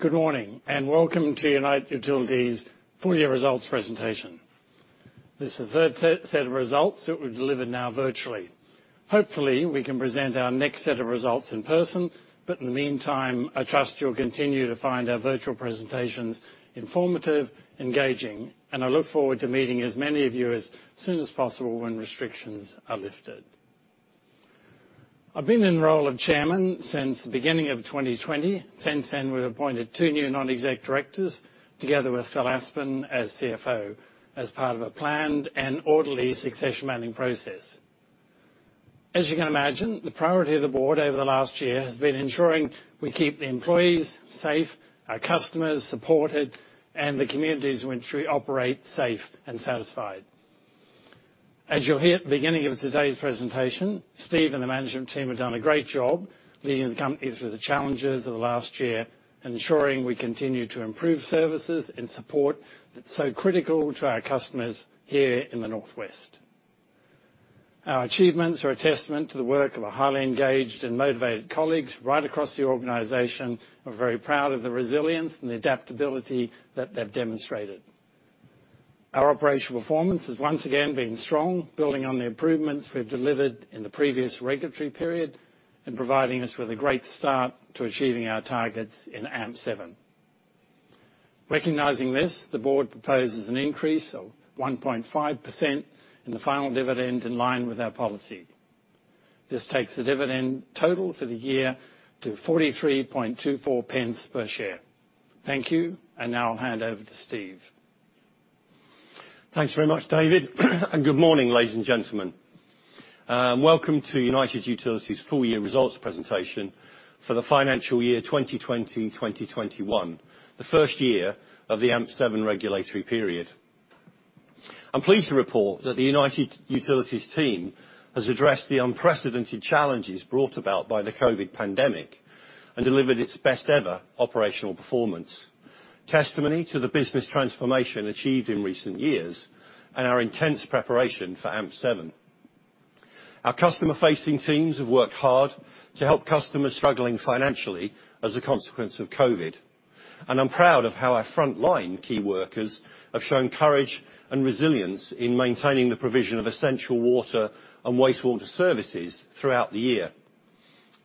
Good morning, welcome to United Utilities' full year results presentation. This is the third set of results that we've delivered now virtually. Hopefully, we can present our next set of results in person, but in the meantime, I trust you'll continue to find our virtual presentations informative, engaging, and I look forward to meeting as many of you as soon as possible when restrictions are lifted. I've been in the role of Chairman since the beginning of 2020. Since then, we've appointed two new Non-exec Directors together with Phil Aspin as CFO as part of a planned and orderly succession planning process. As you can imagine, the priority of the board over the last year has been ensuring we keep the employees safe, our customers supported, and the communities in which we operate safe and satisfied. As you'll hear at the beginning of today's presentation, Steve and the management team have done a great job leading the company through the challenges of the last year, ensuring we continue to improve services and support that's so critical to our customers here in the North West. Our achievements are a testament to the work of our highly engaged and motivated colleagues right across the organization. We're very proud of the resilience and the adaptability that they've demonstrated. Our operational performance has once again been strong, building on the improvements we've delivered in the previous regulatory period and providing us with a great start to achieving our targets in AMP7. Recognizing this, the board proposes an increase of 1.5% in the final dividend in line with our policy. This takes the dividend total for the year to 0.4324 per share. Thank you, and now I'll hand over to Steve. Thanks very much, David. Good morning, ladies and gentlemen. Welcome to United Utilities' full year results presentation for the financial year 2020/2021, the first year of the AMP7 regulatory period. I'm pleased to report that the United Utilities team has addressed the unprecedented challenges brought about by the COVID-19 pandemic and delivered its best ever operational performance. Testimony to the business transformation achieved in recent years and our intense preparation for AMP7. Our customer facing teams have worked hard to help customers struggling financially as a consequence of COVID-19, and I'm proud of how our frontline key workers have shown courage and resilience in maintaining the provision of essential water and wastewater services throughout the year,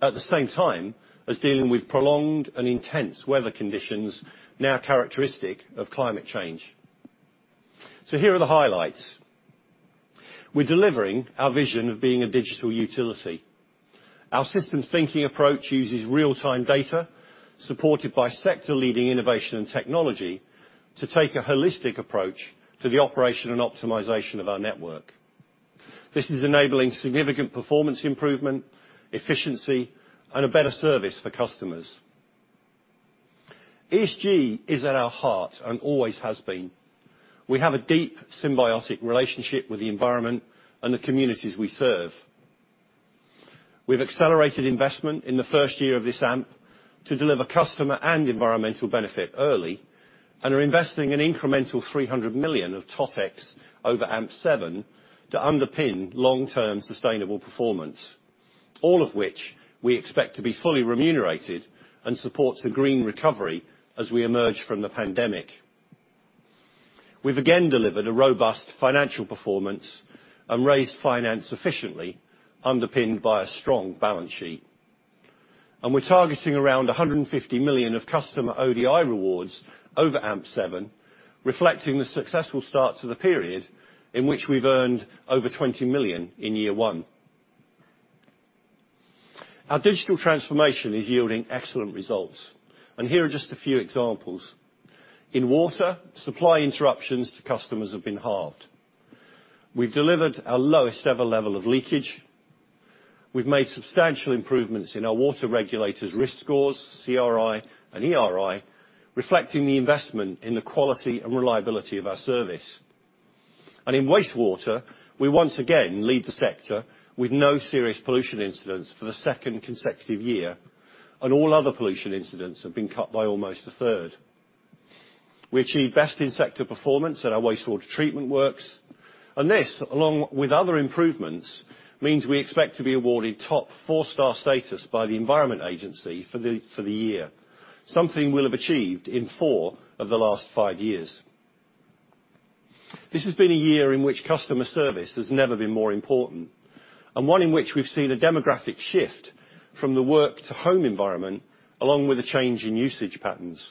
at the same time as dealing with prolonged and intense weather conditions now characteristic of climate change. Here are the highlights. We're delivering our vision of being a digital utility. Our systems thinking approach uses real-time data supported by sector leading innovation and technology to take a holistic approach to the operation and optimization of our network. This is enabling significant performance improvement, efficiency, and a better service for customers. ESG is at our heart and always has been. We have a deep symbiotic relationship with the environment and the communities we serve. We've accelerated investment in the first year of this AMP to deliver customer and environmental benefit early and are investing an incremental 300 million of TotEx over AMP7 to underpin long-term sustainable performance, all of which we expect to be fully remunerated and supports the green recovery as we emerge from the pandemic. We've again delivered a robust financial performance and raised finance efficiently, underpinned by a strong balance sheet. We're targeting around 150 million of customer ODI rewards over AMP7, reflecting the successful start to the period in which we've earned over 20 million in year one. Our digital transformation is yielding excellent results, and here are just a few examples. In water, supply interruptions to customers have been halved. We've delivered our lowest ever level of leakage. We've made substantial improvements in our water regulators risk scores, CRI and ERI, reflecting the investment in the quality and reliability of our service. In wastewater, we once again lead the sector with no serious pollution incidents for the second consecutive year, and all other pollution incidents have been cut by almost a 1/3. We achieved best in sector performance at our wastewater treatment works, unless, along with other improvements, means we expect to be awarded top four-star status by the Environment Agency for the year, something we'll have achieved in four of the last five years. This has been a year in which customer service has never been more important, and one in which we've seen a demographic shift from the work to home environment, along with a change in usage patterns.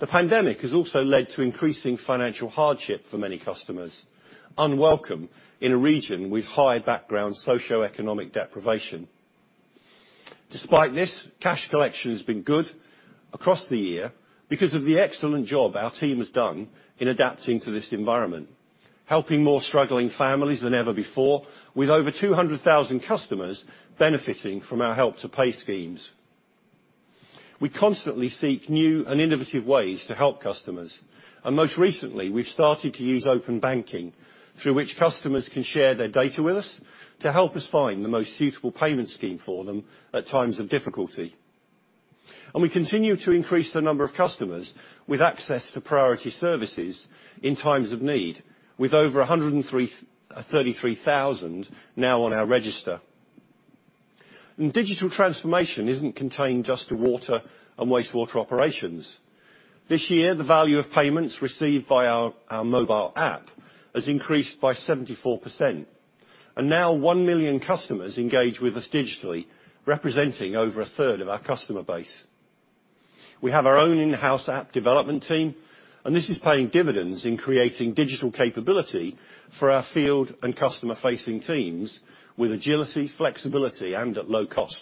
The pandemic has also led to increasing financial hardship for many customers, unwelcome in a region with high background socioeconomic deprivation. Despite this, cash collection has been good across the year because of the excellent job our team has done in adapting to this environment, helping more struggling families than ever before with over 200,000 customers benefiting from our Help to Pay schemes. We constantly seek new and innovative ways to help customers, and most recently, we've started to use open banking through which customers can share their data with us to help us find the most suitable payment scheme for them at times of difficulty. We continue to increase the number of customers with access to priority services in times of need with over 133,000 now on our register. Digital transformation isn't contained just to water and wastewater operations. This year, the value of payments received via our mobile app has increased by 74%, and now 1 million customers engage with us digitally, representing over 1/3 of our customer base. We have our own in-house app development team, and this is paying dividends in creating digital capability for our field and customer-facing teams with agility, flexibility, and at low cost.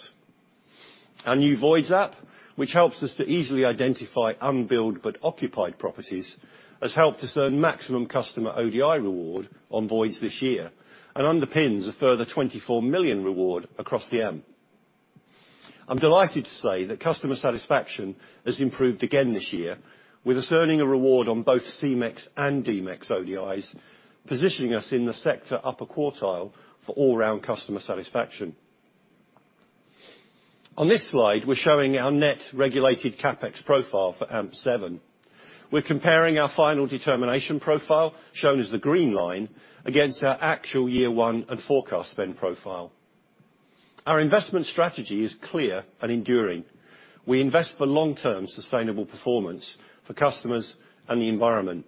Our new voids app, which helps us to easily identify unbilled but occupied properties, has helped us earn maximum customer ODI reward on voids this year and underpins a further 24 million reward across the AMP. I'm delighted to say that customer satisfaction has improved again this year, with us earning a reward on both C-MeX and D-MeX ODIs, positioning us in the sector upper quartile for all-round customer satisfaction. On this slide, we're showing our net regulated CapEx profile for AMP7. We're comparing our Final Determination profile, shown as the green line, against our actual year one and forecast spend profile. Our investment strategy is clear and enduring. We invest for long-term sustainable performance for customers and the environment.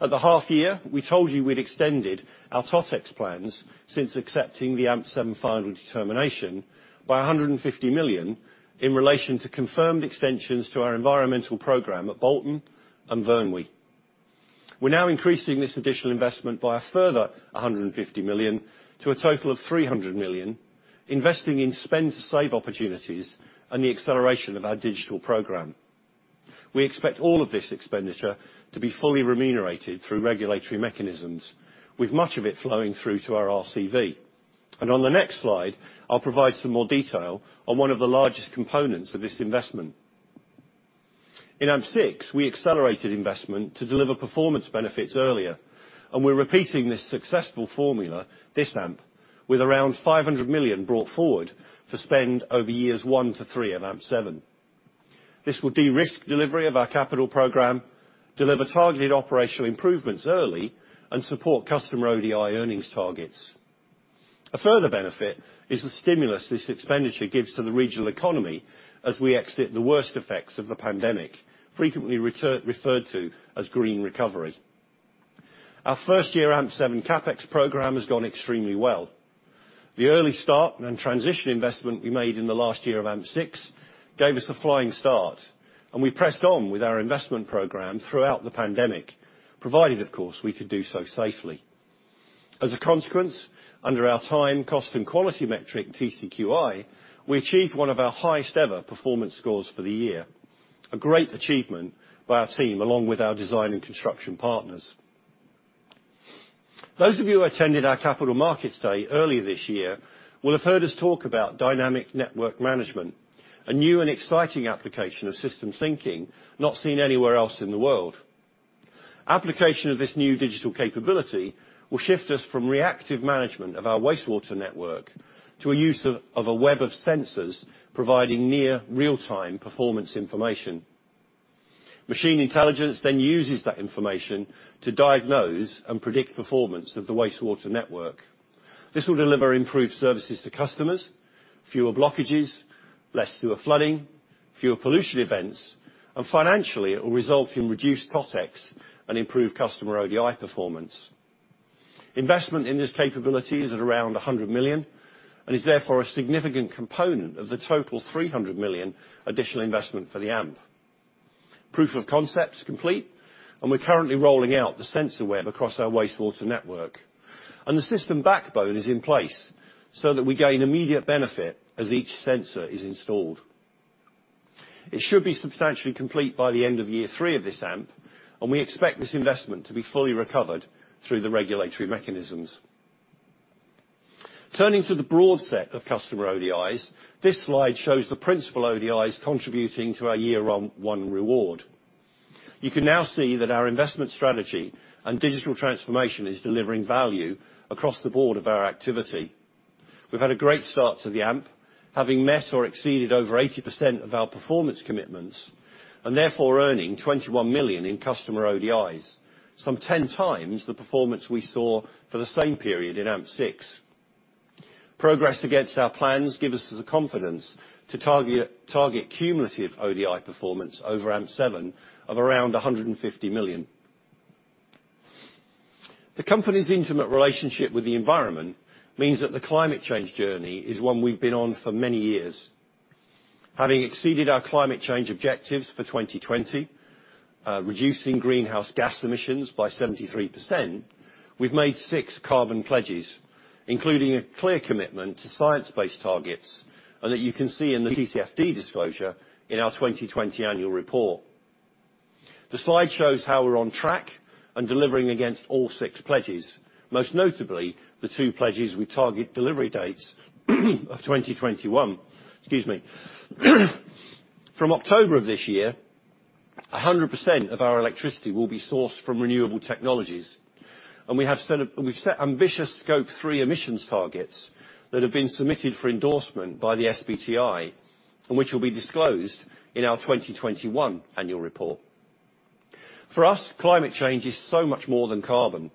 At the half year, we told you we'd extended our TotEx plans since accepting the AMP7 Final Determination by 150 million in relation to confirmed extensions to our environmental programme at Bolton and Burnley. We're now increasing this additional investment by a further 150 million to a total of 300 million, investing in spend to save opportunities and the acceleration of our digital programme. We expect all of this expenditure to be fully remunerated through regulatory mechanisms, with much of it flowing through to our RCV. On the next slide, I'll provide some more detail on one of the largest components of this investment. In AMP6, we accelerated investment to deliver performance benefits earlier, and we're repeating this successful formula this AMP with around 500 million brought forward to spend over years one to three of AMP7. This will de-risk delivery of our capital programme, deliver targeted operational improvements early, and support customer ODI earnings targets. A further benefit is the stimulus this expenditure gives to the regional economy as we exit the worst effects of the pandemic, frequently referred to as green recovery. Our first-year AMP7 CapEx programme has gone extremely well. The early start and transition investment we made in the last year of AMP6 gave us a flying start, and we pressed on with our investment programme throughout the pandemic, provided, of course, we could do so safely. As a consequence, under our time, cost, and quality metric, TCQI, we achieved one of our highest-ever performance scores for the year. A great achievement by our team along with our design and construction partners. Those of you who attended our capital markets day earlier this year will have heard us talk about Dynamic Network Management, a new and exciting application of systems thinking not seen anywhere else in the world. Application of this new digital capability will shift us from reactive management of our wastewater network to a use of a web of sensors providing near real-time performance information. Machine intelligence uses that information to diagnose and predict performance of the wastewater network. This will deliver improved services to customers, fewer blockages, less sewer flooding, fewer pollution events, and financially, it will result in reduced TotEx and improved customer ODI performance. Investment in this capability is at around 100 million and is therefore a significant component of the total 300 million additional investment for the AMP. Proof of concept is complete, and we're currently rolling out the sensor web across our wastewater network, and the system backbone is in place so that we gain immediate benefit as each sensor is installed. It should be substantially complete by the end of year three of this AMP, and we expect this investment to be fully recovered through the regulatory mechanisms. Turning to the broad set of customer ODIs, this slide shows the principal ODIs contributing to our year one reward. You can now see that our investment strategy and digital transformation is delivering value across the board of our activity. We've had a great start to the AMP, having met or exceeded over 80% of our performance commitments and therefore earning 21 million in customer ODIs, some 10x the performance we saw for the same period in AMP6. Progress against our plans give us the confidence to target cumulative ODI performance over AMP7 of around 150 million. The company's intimate relationship with the environment means that the climate change journey is one we've been on for many years. Having exceeded our climate change objectives for 2020, reducing Greenhouse Gas Emissions by 73%, we've made six carbon pledges, including a clear commitment to science-based targets and that you can see in the TCFD disclosure in our 2020 annual report. The slide shows how we're on track and delivering against all six pledges, most notably the two pledges with target delivery dates of 2021. Excuse me. From October of this year, 100% of our electricity will be sourced from renewable technologies, and we have set ambitious scope three emissions targets that have been submitted for endorsement by the SBTI and which will be disclosed in our 2021 annual report. For us, climate change is so much more than carbon.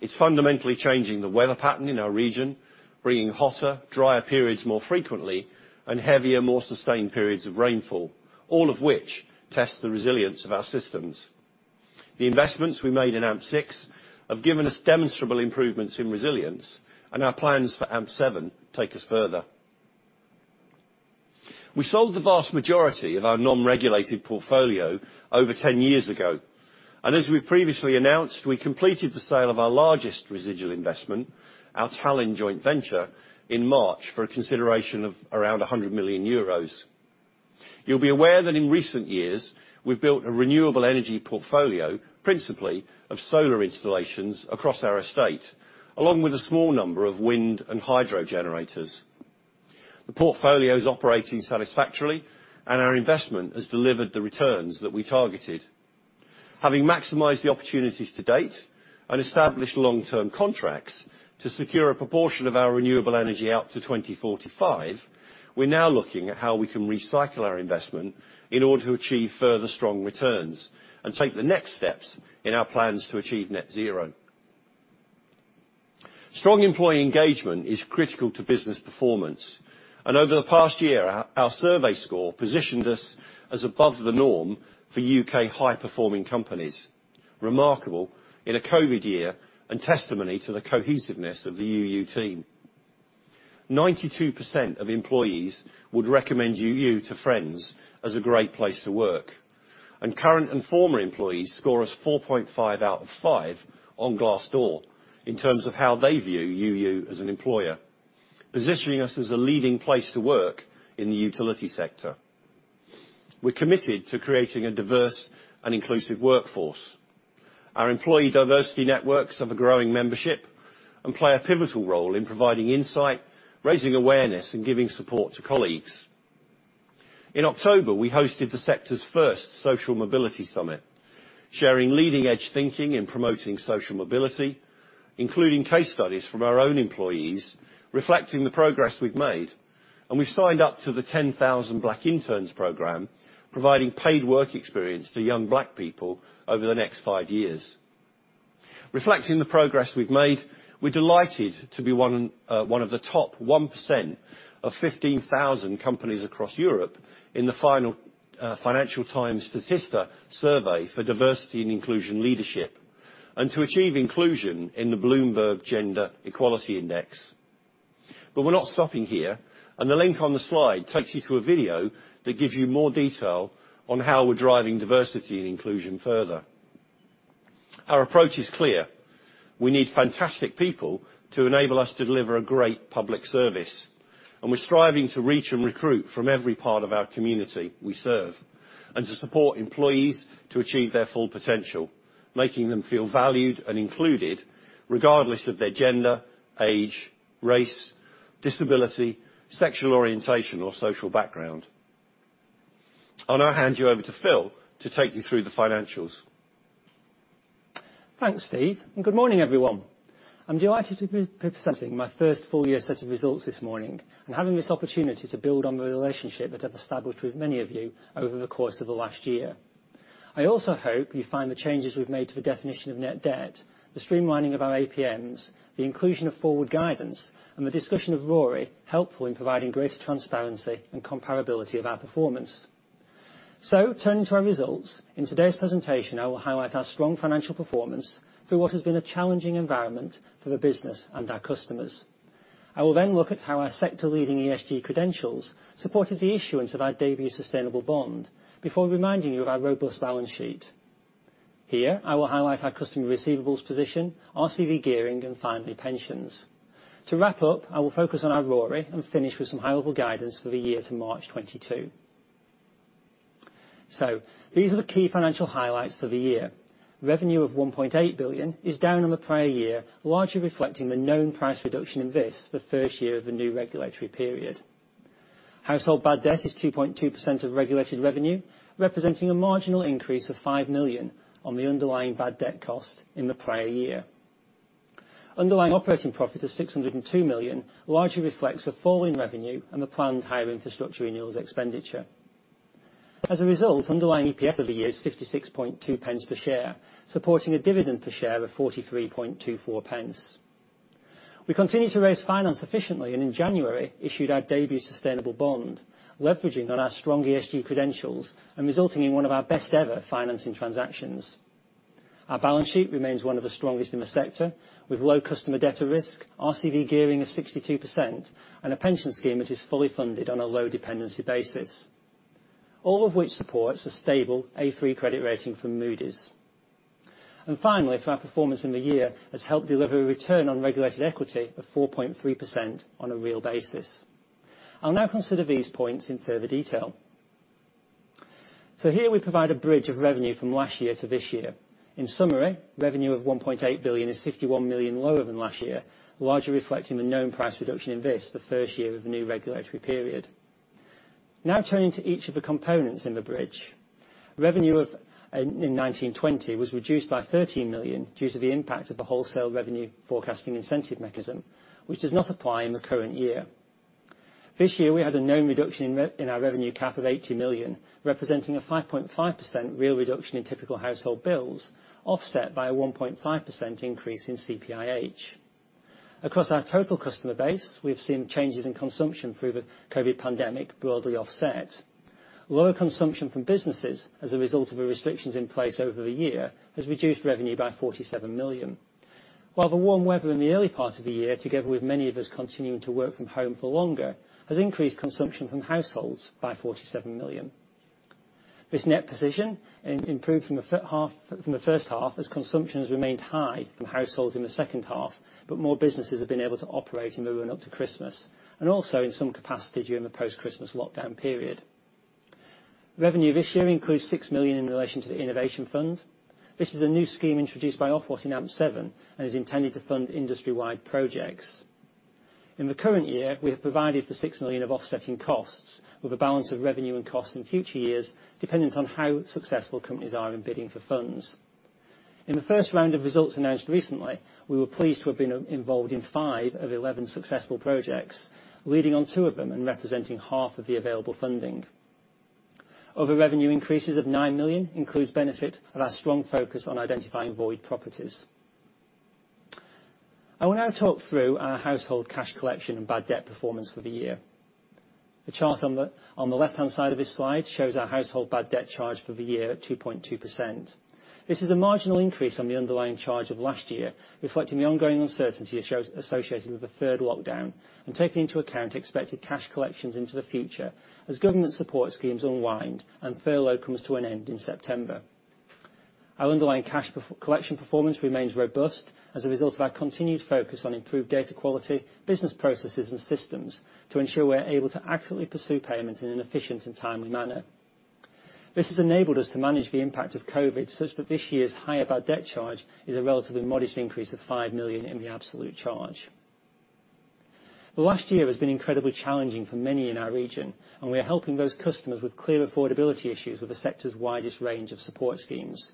It's fundamentally changing the weather pattern in our region, bringing hotter, drier periods more frequently and heavier, more sustained periods of rainfall, all of which test the resilience of our systems. The investments we made in AMP6 have given us demonstrable improvements in resilience, and our plans for AMP7 take us further. We sold the vast majority of our non-regulated portfolio over 10 years ago, and as we previously announced, we completed the sale of our largest residual investment, our Tallinn joint venture, in March for a consideration of around 100 million euros. You'll be aware that in recent years, we've built a renewable energy portfolio, principally of solar installations across our estate, along with a small number of wind and hydro generators. The portfolio is operating satisfactorily, and our investment has delivered the returns that we targeted. Having maximized the opportunities to date and established long-term contracts to secure a proportion of our renewable energy out to 2045, we're now looking at how we can recycle our investment in order to achieve further strong returns and take the next steps in our plans to achieve net zero. Strong employee engagement is critical to business performance, and over the past year, our survey score positioned us as above the norm for U.K. high-performing companies. Remarkable in a COVID-19 year and testimony to the cohesiveness of the UU team. 92% of employees would recommend UU to friends as a great place to work, and current and former employees score us 4.5 out of 5 on Glassdoor in terms of how they view UU as an employer, positioning us as a leading place to work in the utility sector. We're committed to creating a diverse and inclusive workforce. Our employee diversity networks have a growing membership and play a pivotal role in providing insight, raising awareness, and giving support to colleagues. In October, we hosted the sector's first social mobility summit, sharing leading-edge thinking in promoting social mobility, including case studies from our own employees reflecting the progress we've made, and we signed up to the 10,000 Black Interns programme, providing paid work experience for young Black people over the next five years. Reflecting the progress we've made, we're delighted to be one of the top 1% of 15,000 companies across Europe in the Financial Times' Statista Survey for diversity and inclusion leadership and to achieve inclusion in the Bloomberg Gender-Equality Index. We're not stopping here, and the link on the slide takes you to a video that gives you more detail on how we're driving diversity and inclusion further. Our approach is clear. We need fantastic people to enable us to deliver a great public service, and we're striving to reach and recruit from every part of our community we serve and to support employees to achieve their full potential, making them feel valued and included, regardless of their gender, age, race, disability, sexual orientation, or social background. I'll now hand you over to Phil to take you through the financials. Thanks, Steve. Good morning, everyone. I'm delighted to be presenting my first full year set of results this morning and having this opportunity to build on the relationship that I've established with many of you over the course of the last year. I also hope you find the changes we've made to the definition of net debt, the streamlining of our APMs, the inclusion of forward guidance, and the discussion of RoRE helpful in providing greater transparency and comparability of our performance. Turning to our results. In today's presentation, I will highlight our strong financial performance through what has been a challenging environment for the business and our customers. I will then look at how our sector leading ESG credentials supported the issuance of our debut sustainable bond before reminding you of our robust balance sheet. Here, I will highlight our customer receivables position, RCV gearing, and finally, pensions. To wrap up, I will focus on our RoRE and finish with some helpful guidance for the year to March 2022. These are the key financial highlights for the year. Revenue of 1.8 billion is down on the prior year, largely reflecting the known price reduction in this, the first year of the new regulatory period. Household bad debt is 2.2% of regulated revenue, representing a marginal increase of 5 million on the underlying bad debt cost in the prior year. Underlying operating profit of 602 million largely reflects a fall in revenue and the planned higher infrastructure renewals expenditure. As a result, underlying EPS over the years, 0.562 per share, supporting a dividend per share of 0.4324. We continue to raise finance efficiently, in January, issued our debut sustainable bond, leveraging on our strong ESG credentials and resulting in one of our best-ever financing transactions. Our balance sheet remains one of the strongest in the sector, with low customer debtor risk, RCV gearing of 62%, and a pension scheme that is fully funded on a low dependency basis. All of which supports a stable A3 credit rating from Moody's. Finally, flat performance in the year has helped deliver a return on regulated equity of 4.3% on a real basis. I'll now consider these points in further detail. Here we provide a bridge of revenue from last year to this year. In summary, revenue of 1.8 billion is 51 million lower than last year, largely reflecting the known price reduction in this, the first year of the new regulatory period. Turning to each of the components in the bridge. Revenue in 2019/2020 was reduced by 13 million due to the impact of the wholesale revenue forecasting incentive mechanism, which does not apply in the current year. This year, we had a known reduction in our revenue cap of 80 million, representing a 5.5% real reduction in typical household bills, offset by a 1.5% increase in CPIH. Across our total customer base, we've seen changes in consumption through the COVID-19 pandemic broadly offset. Lower consumption from businesses as a result of the restrictions in place over the year has reduced revenue by 47 million. The warm weather in the early part of the year, together with many of us continuing to work from home for longer, has increased consumption from households by 47 million. This net position improved from the first half as consumption has remained high from households in the second half, but more businesses have been able to operate in the run up to Christmas, and also in some capacity during the post-Christmas lockdown period. Revenue this year includes 6 million in relation to the Innovation Fund. This is a new scheme introduced by Ofwat in AMP7 and is intended to fund industry-wide projects. In the current year, we have provided for 6 million of offsetting costs, with the balance of revenue and costs in future years dependent on how successful companies are in bidding for funds. In the first round of results announced recently, we were pleased to have been involved in five of 11 successful projects, leading on two of them and representing half of the available funding. Other revenue increases of 9 million includes benefit of our strong focus on identifying void properties. I want to talk through our household cash collection and bad debt performance for the year. The chart on the left-hand side of this slide shows our household bad debt charge for the year at 2.2%. This is a marginal increase on the underlying charge of last year, reflecting the ongoing uncertainty associated with the third lockdown and taking into account expected cash collections into the future as government support schemes unwind and furlough comes to an end in September. Our underlying cash collection performance remains robust as a result of our continued focus on improved data quality, business processes and systems to ensure we are able to accurately pursue payments in an efficient and timely manner. This has enabled us to manage the impact of COVID-19 such that this year's higher bad debt charge is a relatively modest increase of 5 million in the absolute charge. The last year has been incredibly challenging for many in our region, and we are helping those customers with clear affordability issues with the sector's widest range of support schemes.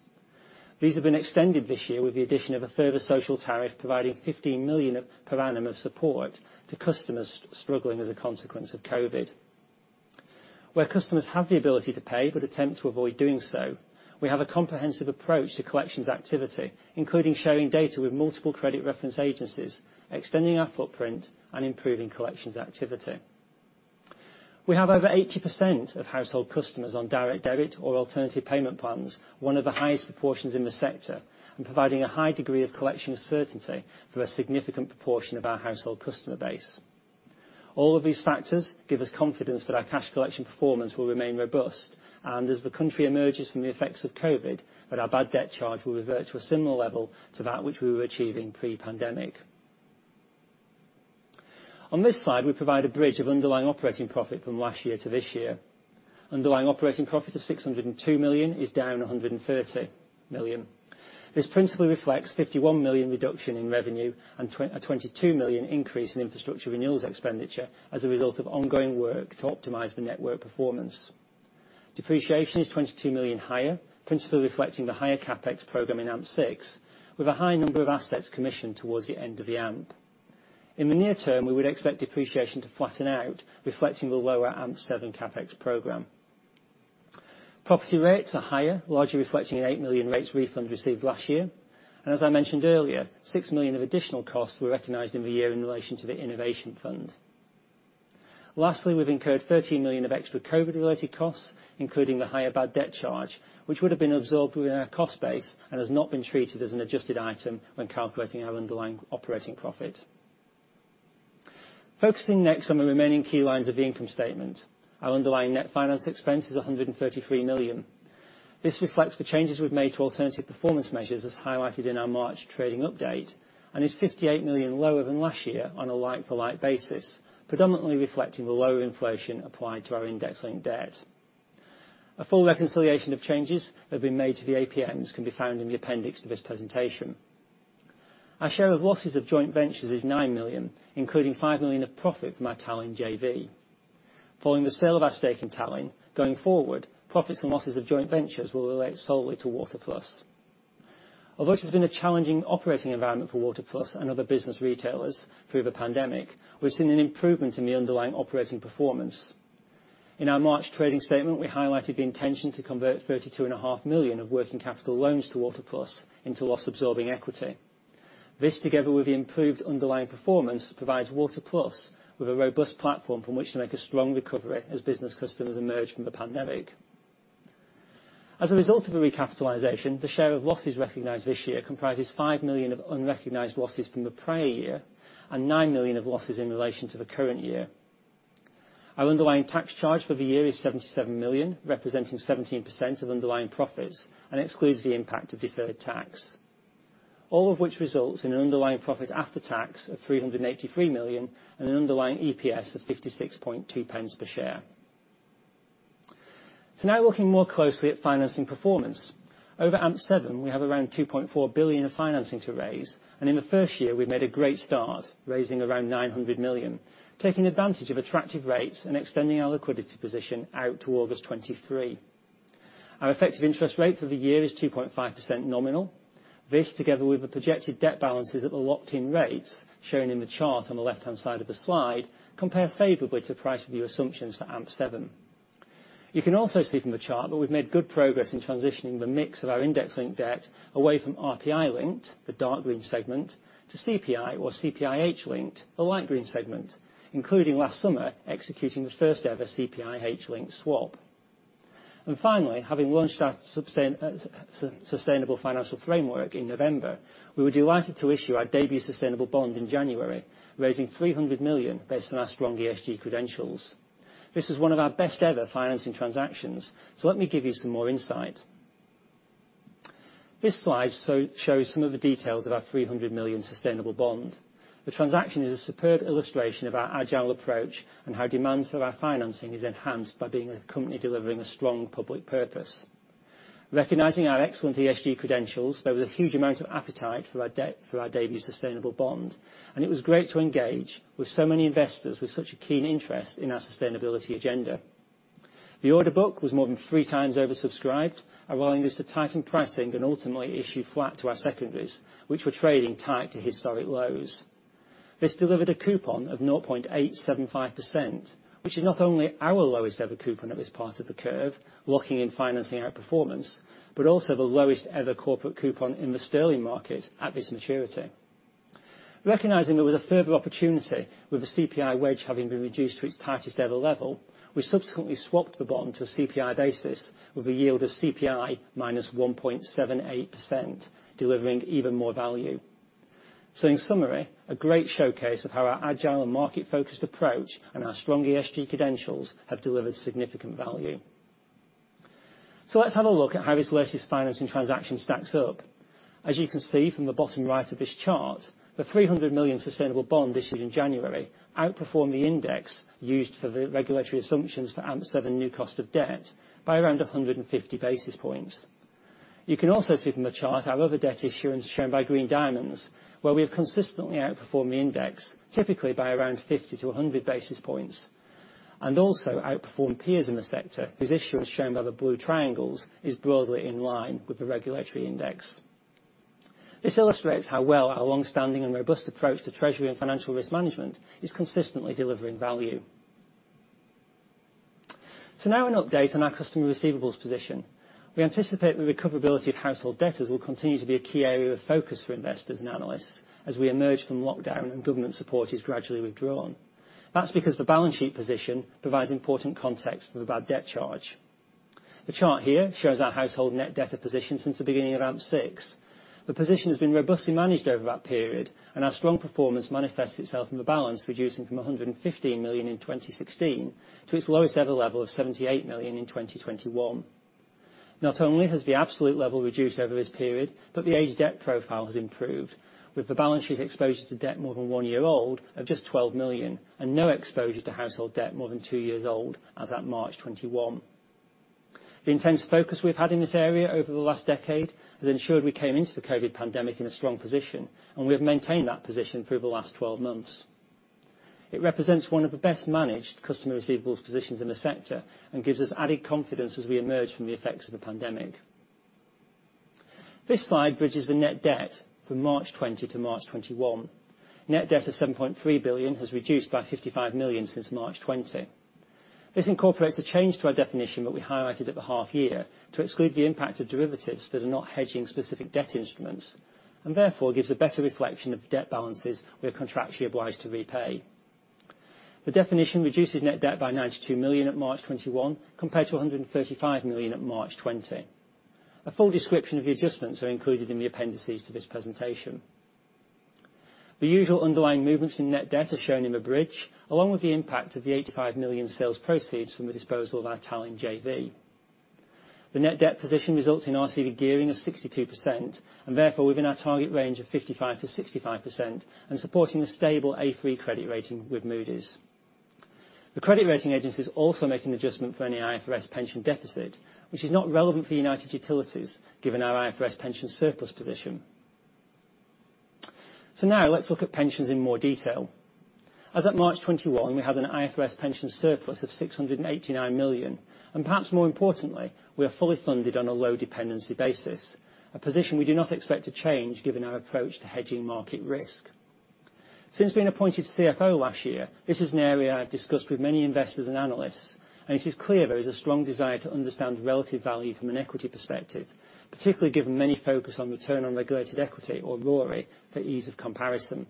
These have been extended this year with the addition of a further social tariff providing 15 million per annum of support to customers struggling as a consequence of COVID-19. Where customers have the ability to pay but attempt to avoid doing so, we have a comprehensive approach to collections activity, including sharing data with multiple credit reference agencies, extending our footprint and improving collections activity. We have over 80% of household customers on direct debit or alternative payment plans, one of the highest proportions in the sector, and providing a high degree of collection certainty for a significant proportion of our household customer base. All of these factors give us confidence that our cash collection performance will remain robust and as the country emerges from the effects of COVID-19, that our bad debt charge will revert to a similar level to that which we were achieving pre-pandemic. On this slide, we provide a bridge of underlying operating profit from last year to this year. Underlying operating profit of 602 million is down 130 million. This principally reflects 51 million reduction in revenue and a 22 million increase in infrastructure renewals expenditure as a result of ongoing work to optimize the network performance. Depreciation is 22 million higher, principally reflecting the higher CapEx programme in AMP6, with a high number of assets commissioned towards the end of the AMP. In the near term, we would expect depreciation to flatten out, reflecting the lower AMP7 CapEx programme. Property rates are higher, largely reflecting 8 million of rates refund received last year. As I mentioned earlier, 6 million of additional costs were recognized in the year in relation to the Innovation Fund. Lastly, we've incurred 13 million of extra COVID-19-related costs, including the higher bad debt charge, which would have been absorbed within our cost base and has not been treated as an adjusted item when calculating our underlying operating profit. Focusing next on the remaining key lines of the income statement. Our underlying net finance expense is 133 million. This reflects the changes we've made to Alternative Performance Measures as highlighted in our March trading update, and is 58 million lower than last year on a like-for-like basis, predominantly reflecting the lower inflation applied to our index-linked debt. A full reconciliation of changes that have been made to the APMs can be found in the appendix to this presentation. Our share of losses of joint ventures is 9 million, including 5 million of profit from our Tallinn JV. Following the sale of our stake in Tallinn, going forward, profits and losses of joint ventures will relate solely to Water Plus. This has been a challenging operating environment for Water Plus and other business retailers through the pandemic, we've seen an improvement in the underlying operating performance. In our March trading statement, we highlighted the intention to convert 32.5 million of working capital loans to Water Plus into loss-absorbing equity. This, together with the improved underlying performance, provides Water Plus with a robust platform from which to make a strong recovery as business customers emerge from the pandemic. As a result of the recapitalization, the share of losses recognized this year comprises 5 million of unrecognized losses from the prior year and 9 million of losses in relation to the current year. Our underlying tax charge for the year is 77 million, representing 17% of underlying profits, and excludes the impact of deferred tax. All of which results in underlying profit after tax of 383 million and an underlying EPS of 0.562 per share. Now looking more closely at financing performance. Over AMP7, we have around 2.4 billion of financing to raise, and in the first year, we made a great start, raising around 900 million, taking advantage of attractive rates and extending our liquidity position out to August 2023. Our effective interest rate for the year is 2.5% nominal. This, together with the projected debt balances at the locked-in rates shown in the chart on the left-hand side of the slide, compare favorably to the price review assumptions for AMP7. You can also see from the chart that we've made good progress in transitioning the mix of our index-linked debt away from RPI linked, the dark green segment, to CPI or CPIH linked, the light green segment, including last summer executing the first ever CPIH linked swap. Finally, having launched our sustainable financial framework in November, we were delighted to issue our debut sustainable bond in January, raising 300 million based on our strong ESG credentials. This is one of our best ever financing transactions. Let me give you some more insight. This slide shows some of the details of our 300 million sustainable bond. The transaction is a superb illustration of our agile approach and how demand for our financing is enhanced by being a company delivering a strong public purpose. Recognizing our excellent ESG credentials, there was a huge amount of appetite for our debut sustainable bond, and it was great to engage with so many investors with such a keen interest in our sustainability agenda. The order book was more than 3x oversubscribed, allowing us to tighten pricing and ultimately issue flat to our secondaries, which were trading tight to historic lows. This delivered a coupon of 0.875%, which is not only our lowest ever coupon at this part of the curve, locking in financing outperformance, but also the lowest ever corporate coupon in the sterling market at this maturity. Recognizing there was a further opportunity with the CPI having been reduced to its tightest ever level, we subsequently swapped the bond to a CPI basis with a yield of CPI -1.78%, delivering even more value. In summary, a great showcase of how our agile and market-focused approach and our strong ESG credentials have delivered significant value. Let's have a look at how this latest financing transaction stacks up. As you can see from the bottom right of this chart, the 300 million sustainable bond issued in January outperformed the index used for the regulatory assumptions for AMP7 new cost of debt by around 150 basis points. You can also see from the chart our other debt issuance shown by green diamonds, where we have consistently outperformed the index, typically by around 50-100 basis points, and also outperformed peers in the sector as issuance shown by the blue triangles is broadly in line with the regulatory index. This illustrates how well our long-standing and robust approach to treasury and financial risk management is consistently delivering value. Now an update on our customer receivables position. We anticipate the recoverability of household debtors will continue to be a key area of focus for investors and analysts as we emerge from lockdown and government support is gradually withdrawn. That's because the balance sheet position provides important context for the bad debt charge. The chart here shows our household net debtor position since the beginning of AMP6. The position has been robustly managed over that period, and our strong performance manifests itself in the balance reducing from 115 million in 2016 to its lowest ever level of 78 million in 2021. Not only has the absolute level reduced over this period, but the age debt profile has improved with the balance sheet exposure to debt more than one year old of just 12 million and no exposure to household debt more than two years old as at March 2021. The intense focus we've had in this area over the last decade has ensured we came into the COVID-19 pandemic in a strong position, and we've maintained that position through the last 12 months. It represents one of the best managed customer receivables positions in the sector and gives us added confidence as we emerge from the effects of the pandemic. This slide bridges the net debt from March 2020 to March 2021. Net debt of 7.3 billion has reduced by 55 million since March 2020. This incorporates a change to our definition that we highlighted at the half year to exclude the impact of derivatives that are not hedging specific debt instruments and therefore gives a better reflection of debt balances we are contractually obliged to repay. The definition reduces net debt by 92 million at March 2021 compared to 135 million at March 2020. A full description of the adjustments are included in the appendices to this presentation. The usual underlying movements in net debt are shown in the bridge, along with the impact of the 85 million sales proceeds from the disposal of our Tallinn JV. The net debt position results in RCV gearing of 62% and therefore within our target range of 55%-65% and supporting a stable A3 credit rating with Moody's. The credit rating agencies also make an adjustment for any IFRS pension deficit, which is not relevant for United Utilities given our IFRS pension surplus position. Now let's look at pensions in more detail. As at March 2021, we have an IFRS pension surplus of 689 million, and perhaps more importantly, we are fully funded on a low dependency basis, a position we do not expect to change given our approach to hedging market risk. Since being appointed CFO last year, this is an area I've discussed with many investors and analysts, and it is clear there is a strong desire to understand the relative value from an equity perspective, particularly given many focus on return on regulated equity or RoRE for ease of comparison.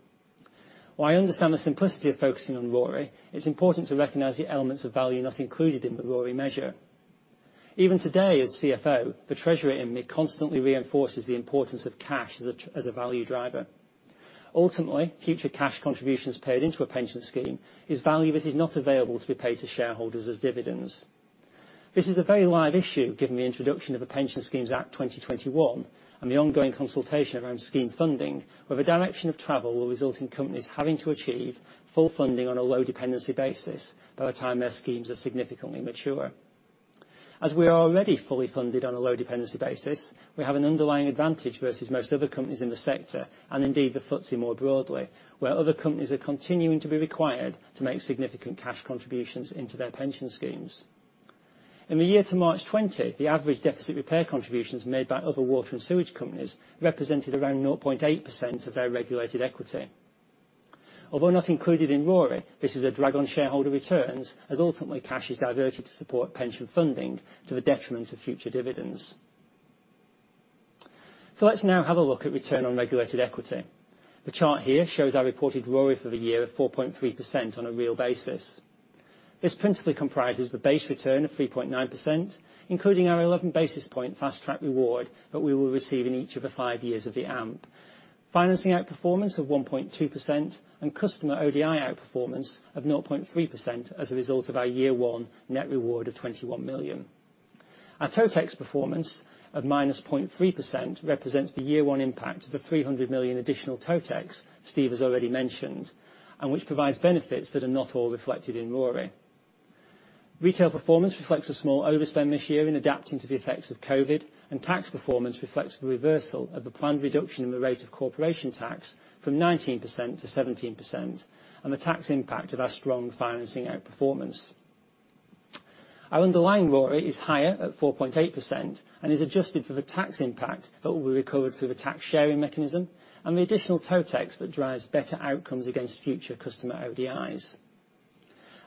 While I understand the simplicity of focusing on RoRE, it's important to recognize the elements of value not included in the RoRE measure. Even today as CFO, the treasurer in me constantly reinforces the importance of cash as a value driver. Ultimately, future cash contributions paid into a pension scheme is value that is not available to be paid to shareholders as dividends. This is a very live issue given the introduction of the Pension Schemes Act 2021 and the ongoing consultation around scheme funding, where the direction of travel will result in companies having to achieve full funding on a low dependency basis by the time their schemes are significantly mature. As we are already fully funded on a low dependency basis, we have an underlying advantage versus most other companies in the sector and indeed the FTSE more broadly, where other companies are continuing to be required to make significant cash contributions into their pension schemes. In the year to March 2020, the average deficit repair contributions made by other water and sewerage companies represented around 0.8% of their regulated equity. Although not included in RoRE, this is a drag on shareholder returns, as ultimately cash is our ability to support pension funding to the detriment of future dividends. Let's now have a look at Return on Regulated Equity. The chart here shows our reported RoRE for the year of 4.3% on a real basis. This principally comprises the base return of 3.9%, including our 11 basis point fast track reward that we will receive in each of the five years of the AMP, financing outperformance of 1.2%, and customer ODI outperformance of 0.3% as a result of our year one net reward of 21 million. Our TotEx performance of -0.3% represents the year one impact of the 300 million additional TotEx Steve has already mentioned, and which provides benefits that are not all reflected in RoRE. Retail performance reflects a small overspend this year in adapting to the effects of COVID-19, tax performance reflects the reversal of the planned reduction in the rate of corporation tax from 19%-17%, and the tax impact of our strong financing outperformance. Our underlying RoRE is higher at 4.8% and is adjusted for the tax impact that will be recovered through the tax sharing mechanism and the additional TotEx that drives better outcomes against future customer ODIs.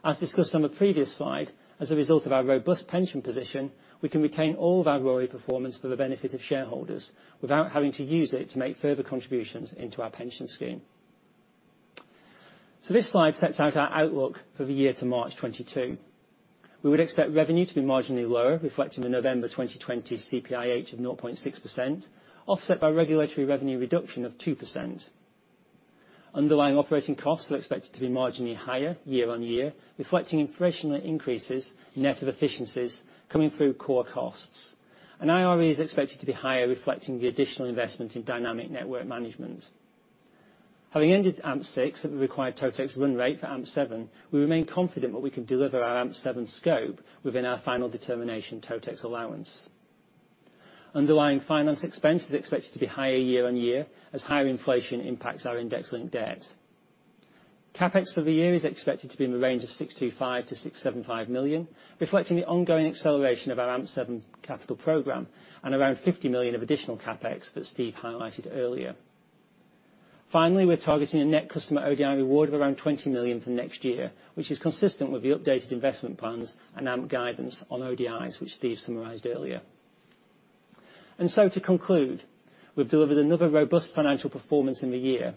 As discussed on the previous slide, as a result of our robust pension position, we can retain all of our RoRE performance for the benefit of shareholders without having to use it to make further contributions into our pension scheme. This slide sets out our outlook for the year to March 2022. We would expect revenue to be marginally lower, reflecting the November 2020 CPIH of 0.6%, offset by regulatory revenue reduction of 2%. Underlying operating costs are expected to be marginally higher year-on-year, reflecting inflationary increases in net of efficiencies coming through core costs. IRE is expected to be higher, reflecting the additional investments in Dynamic Network Management. Having ended AMP6 at the required TotEx run rate for AMP7, we remain confident that we can deliver our AMP7 scope within our Final Determination TotEx allowance. Underlying finance expense will be expected to be higher year-on-year as higher inflation impacts our index-linked debt. CapEx for the year is expected to be in the range of 625 million-675 million, reflecting the ongoing acceleration of our AMP7 capital programme and around 50 million of additional CapEx that Steve highlighted earlier. We're targeting a net customer ODI reward of around 20 million for next year, which is consistent with the updated investment plans and AMP guidance on ODIs, which Steve summarized earlier. To conclude, we've delivered another robust financial performance in the year.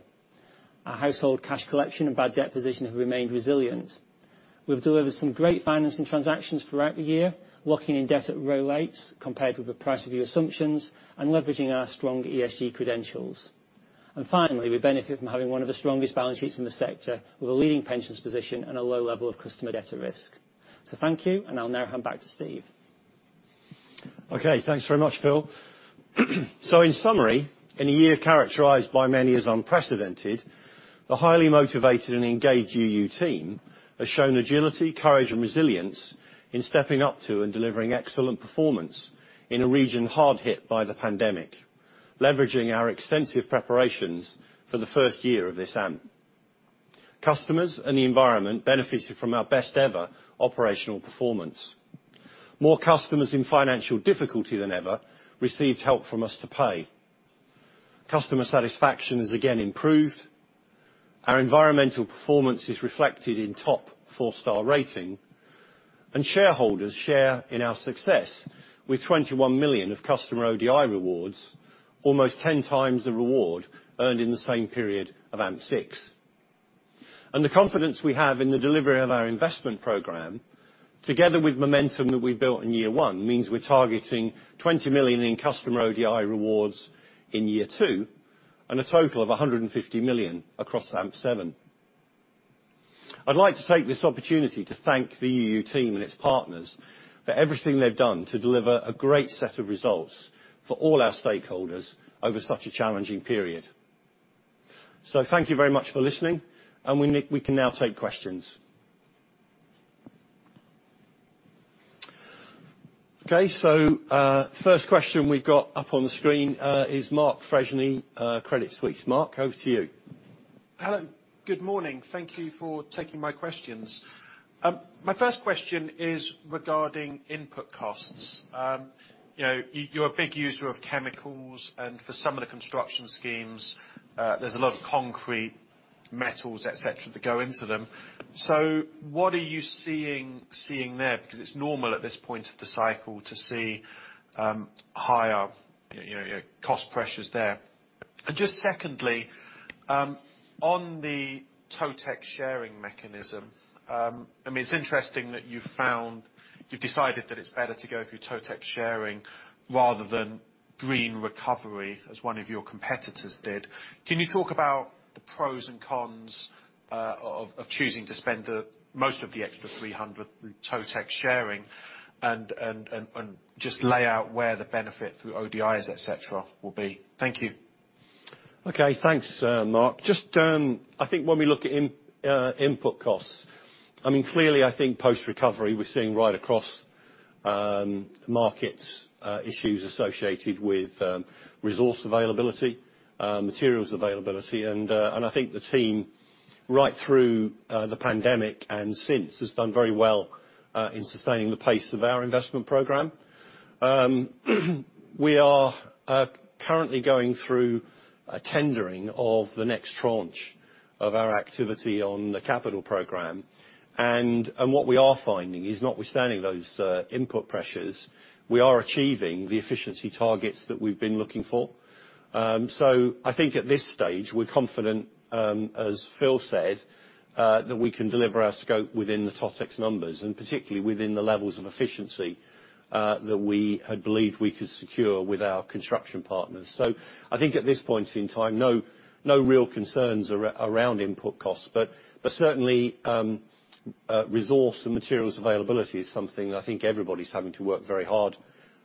Our household cash collection and bad debt position have remained resilient. We've delivered some great financing transactions throughout the year, locking in debt at low rates competitive with price view assumptions, and leveraging our strong ESG credentials. Finally, we benefit from having one of the strongest balance sheets in the sector with a leading pensions position and a low level of customer debt at risk. Thank you, and I'll now hand back to Steve. Okay, thanks very much, Phil. In summary, in a year characterized by many as unprecedented, the highly motivated and engaged UU team has shown agility, courage, and resilience in stepping up to and delivering excellent performance in a region hard hit by the pandemic, leveraging our extensive preparations for the first year of this AMP. Customers and the environment benefited from our best ever operational performance. More customers in financial difficulty than ever received Help to Pay. Customer satisfaction has again improved. Our environmental performance is reflected in top four-star rating, and shareholders share in our success with 21 million of customer ODI rewards, almost 10x the reward earned in the same period of AMP6. The confidence we have in the delivery of our investment programme, together with momentum that we built in year one, means we're targeting 20 million in customer ODI rewards in year two and a total of 150 million across AMP7. I'd like to take this opportunity to thank the UU team and its partners for everything they've done to deliver a great set of results for all our stakeholders over such a challenging period. Thank you very much for listening, and we can now take questions. Okay. First question we've got up on the screen is Mark Freshney, Credit Suisse. Mark, over to you. Hello. Good morning. Thank you for taking my questions. My first question is regarding input costs. You're a big user of chemicals, and for some of the construction schemes, there's a lot of concrete, metals, et cetera, that go into them. What are you seeing there? Because it's normal at this point of the cycle to see higher cost pressures there. Just secondly, on the TotEx sharing mechanism, it's interesting that you decided that it's better to go through TotEx sharing rather than green recovery, as one of your competitors did. Can you talk about the pros and cons of choosing to spend most of the extra 300 million through TotEx sharing and just lay out where the benefit through ODIs, et cetera, will be? Thank you. Okay. Thanks, Mark. I think when we look at input costs, clearly, I think post-recovery, we're seeing right across markets issues associated with resource availability, materials availability, and I think the team, right through the pandemic and since, has done very well in sustaining the pace of our investment programme. We are currently going through tendering of the next tranche of our activity on the capital programme. What we are finding is, notwithstanding those input pressures, we are achieving the efficiency targets that we've been looking for. I think at this stage, we're confident, as Phil said, that we can deliver our scope within the TotEx numbers, and particularly within the levels of efficiency that we had believed we could secure with our construction partners. I think at this point in time, no real concerns around input costs, but certainly resource and materials availability is something I think everybody's having to work very hard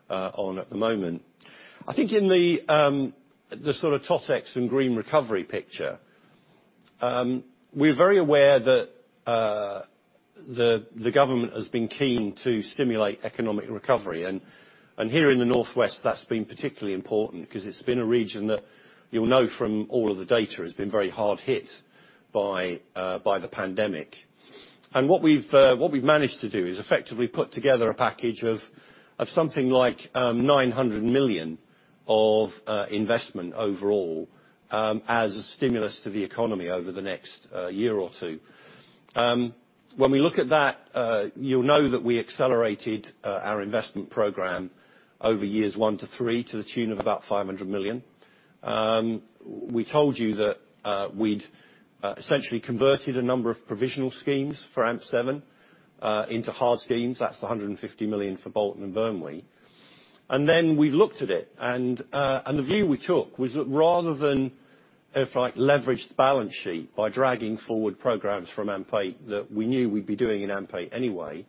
on at the moment. I think in the sort of TotEx and green recovery picture, we're very aware that the government has been keen to stimulate economic recovery. Here in the North West, that's been particularly important because it's been a region that you'll know from all of the data has been very hard hit by the pandemic. What we've managed to do is effectively put together a package of something like 900 million of investment overall as a stimulus to the economy over the next year or two. When we look at that, you'll know that we accelerated our investment programme over years one to three to the tune of about 500 million. We told you that we'd essentially converted a number of provisional schemes for AMP7 into hard schemes. That's 150 million for Bolton and Burnley. Then we looked at it, and the view we took was that rather than leverage the balance sheet by dragging forward programmes from AMP8 that we knew we'd be doing in AMP8 anyway,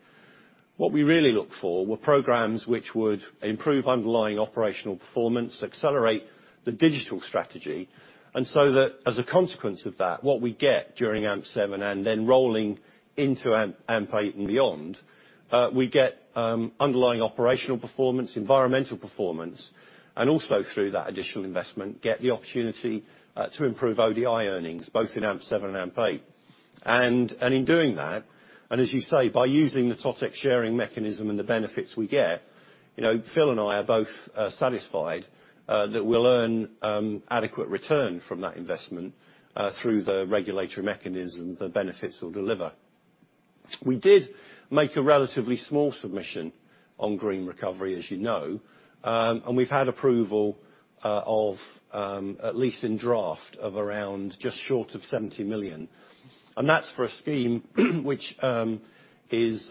what we really looked for were programmes which would improve underlying operational performance, accelerate the digital strategy, and so that as a consequence of that, what we get during AMP7 and then rolling into AMP8 and beyond, we get underlying operational performance, environmental performance, and also through that additional investment, get the opportunity to improve ODI earnings, both in AMP7 and AMP8. In doing that, and as you say, by using the TotEx sharing mechanism and the benefits we get, Phil and I are both satisfied that we'll earn adequate return from that investment through the regulatory mechanism the benefits will deliver. We did make a relatively small submission on green recovery, as you know, and we've had approval of, at least in draft, of around just short of 70 million. That's for a scheme which is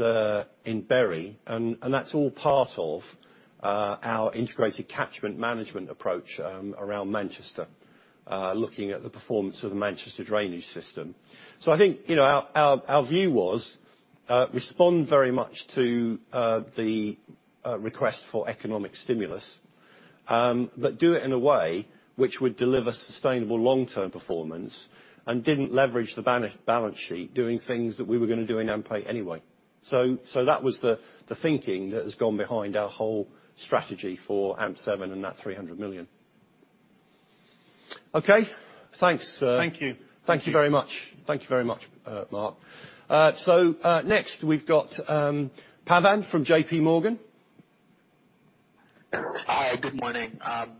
in Bury, and that's all part of our integrated catchment management approach around Manchester, looking at the performance of the Manchester drainage system. I think our view was respond very much to the request for economic stimulus, but do it in a way which would deliver sustainable long-term performance and didn't leverage the balance sheet, doing things that we were going to do in AMP8 anyway. That was the thinking that has gone behind our whole strategy for AMP7 and that 300 million. Okay, thanks. Thank you. Thank you very much, Mark. Next, we've got Pavan from JPMorgan. Hi, good morning.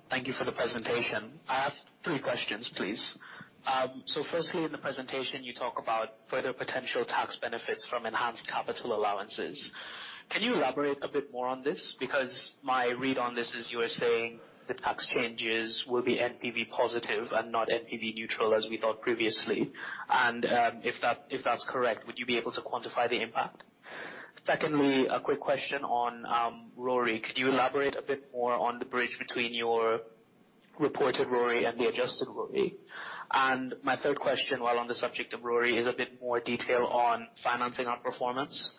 Thank you for the presentation. I have three questions, please. Firstly, in the presentation you talk about further potential tax benefits from enhanced capital allowances. Can you elaborate a bit more on this? My read on this is you're saying the tax changes will be NPV positive and not NPV neutral as we thought previously. If that's correct, would you be able to quantify the impact? Secondly, a quick question on RoRE. Could you elaborate a bit more on the bridge between your reported RoRE and the adjusted RoRE? My third question, while on the subject of RoRE, is a bit more detail on financing outperformance.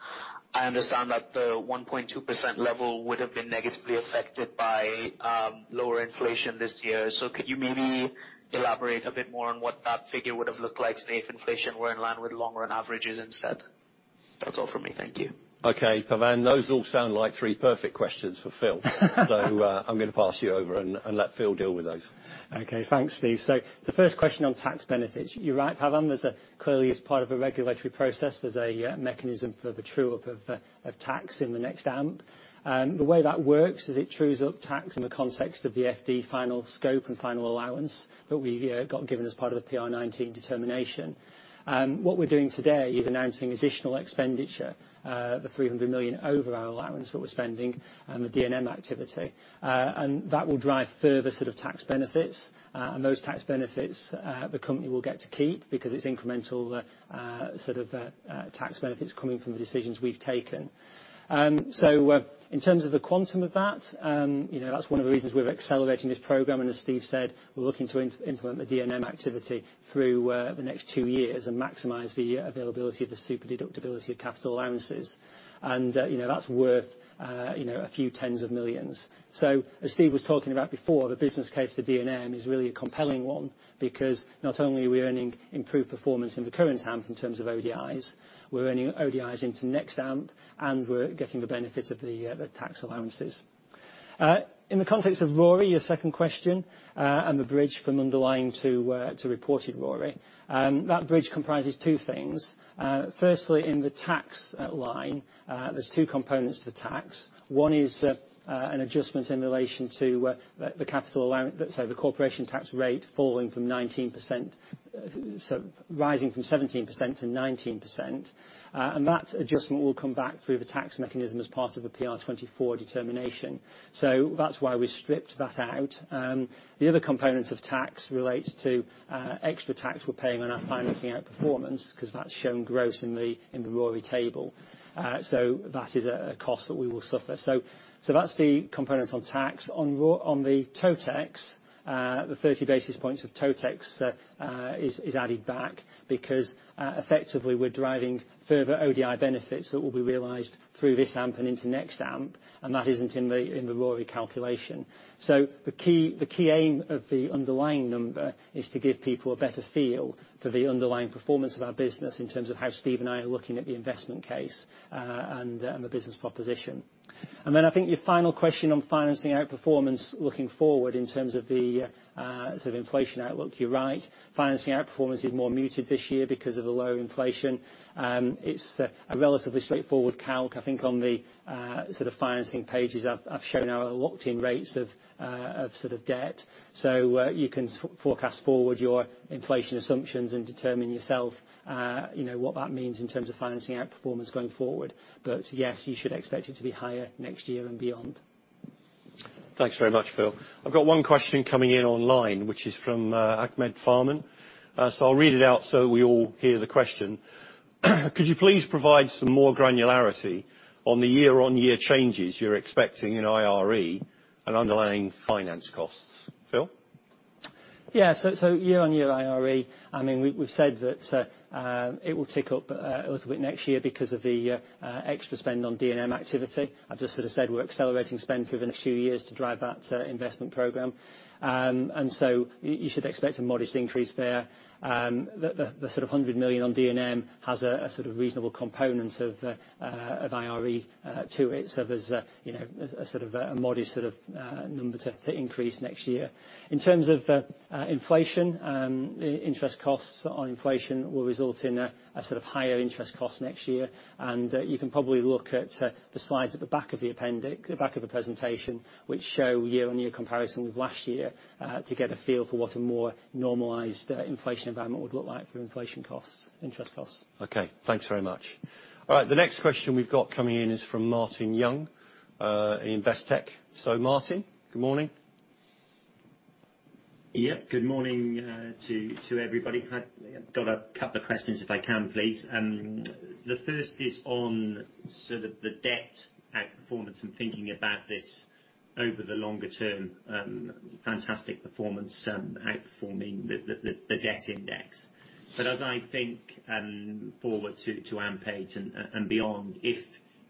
I understand that the 1.2% level would have been negatively affected by lower inflation this year. Could you maybe elaborate a bit more on what that figure would have looked like today if inflation were in line with longer averages instead? That's all from me. Thank you. Okay, Pavan, those all sound like three perfect questions for Phil. I'm going to pass you over and let Phil deal with those. Thanks, Steve. The first question on tax benefits. You're right, Pavan. Clearly, as part of a regulatory process, there's a mechanism for the true-up of tax in the next AMP. The way that works is it trues up tax in the context of the FD final scope and final allowance that we got given as part of PR19 determination. What we're doing today is announcing additional expenditure, the 300 million over our allowance that we're spending and the DNM activity. That will drive further sort of tax benefits. Those tax benefits the company will get to keep because it's incremental sort of tax benefits coming from the decisions we've taken. In terms of the quantum of that's one of the reasons we're accelerating this programme, and as Steve said, we're looking to implement the DNM activity through the next two years and maximize the availability of the super deductibility of capital allowances, and that's worth a few GBP 10s of millions. As Steve was talking about before, the business case for DNM is really a compelling one because not only are we earning improved performance in the current AMP in terms of ODIs, we're earning ODIs into the next AMP, and we're getting the benefits of the tax allowances. In the context of RoRE, your second question, and the bridge from underlying to reported RoRE, that bridge comprises two things. Firstly, in the tax line, there's two components to tax. One is an adjustment in relation to the capital allowance, sorry, the corporation tax rate rising from 17%-19%. That adjustment will come back through the tax mechanism as part of the PR24 determination. That's why we stripped that out. The other component of tax relates to extra tax we're paying on our financing outperformance because that's shown gross in the RoRE table. That is a cost that we will suffer. That's the component on tax. On the TotEx, the 30 basis points of TotEx is added back because effectively we're driving further ODI benefits that will be realized through this AMP and into next AMP, and that isn't in the RoRE calculation. The key aim of the underlying number is to give people a better feel for the underlying performance of our business in terms of how Steve and I are looking at the investment case, and the business proposition. I think your final question on financing outperformance looking forward in terms of the sort of inflation outlook, you're right. Financing outperformance is more muted this year because of the lower inflation. It's a relatively straightforward calc, I think on the sort of financing pages I've shown our locked-in rates of debt. You can forecast forward your inflation assumptions and determine yourself what that means in terms of financing outperformance going forward. Yes, you should expect it to be higher next year and beyond. Thanks very much, Phil. I've got one question coming in online, which is from Ahmed Farman. I'll read it out so we all hear the question. "Could you please provide some more granularity on the year-on-year changes you're expecting in IRE and underlying finance costs?" Phil? Year-on-year IRE, we've said that it will tick up a little bit next year because of the extra spend on DNM activity. As I said, we're accelerating spend over the next few years to drive that investment programme. You should expect a modest increase there. The sort of 100 million on DNM has a sort of reasonable component of IRE to it. There's a modest number to increase next year. In terms of inflation, interest costs on inflation will result in a higher interest cost next year. You can probably look at the slides at the back of the presentation, which show year-on-year comparison with last year, to get a feel for what a more normalized inflation environment would look like for inflation costs, interest costs. Okay, thanks very much. All right, the next question we've got coming in is from Martin Young, Investec. Martin, good morning. Yeah, good morning to everybody. Got a couple of questions, if I can please. The first is on sort of the debt outperformance and thinking about this over the longer-term. Fantastic performance outperforming the debt index. As I think forward to AMP8 and beyond, if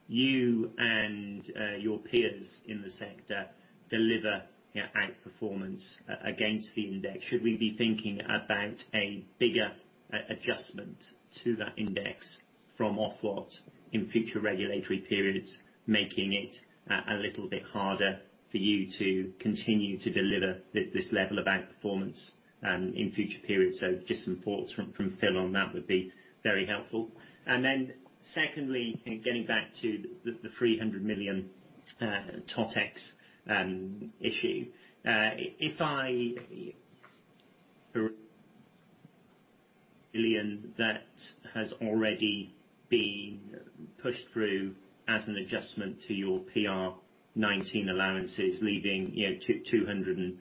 you and your peers in the sector deliver outperformance against the index, should we be thinking about a bigger adjustment to that index from Ofwat in future regulatory periods, making it a little bit harder for you to continue to deliver this level of outperformance, in future periods? Just some thoughts from Phil on that would be very helpful. Secondly, going back to the 300 million TotEx issue. If I million that has already been pushed through as an adjustment to your PR19 allowances leaving GBP 200 million.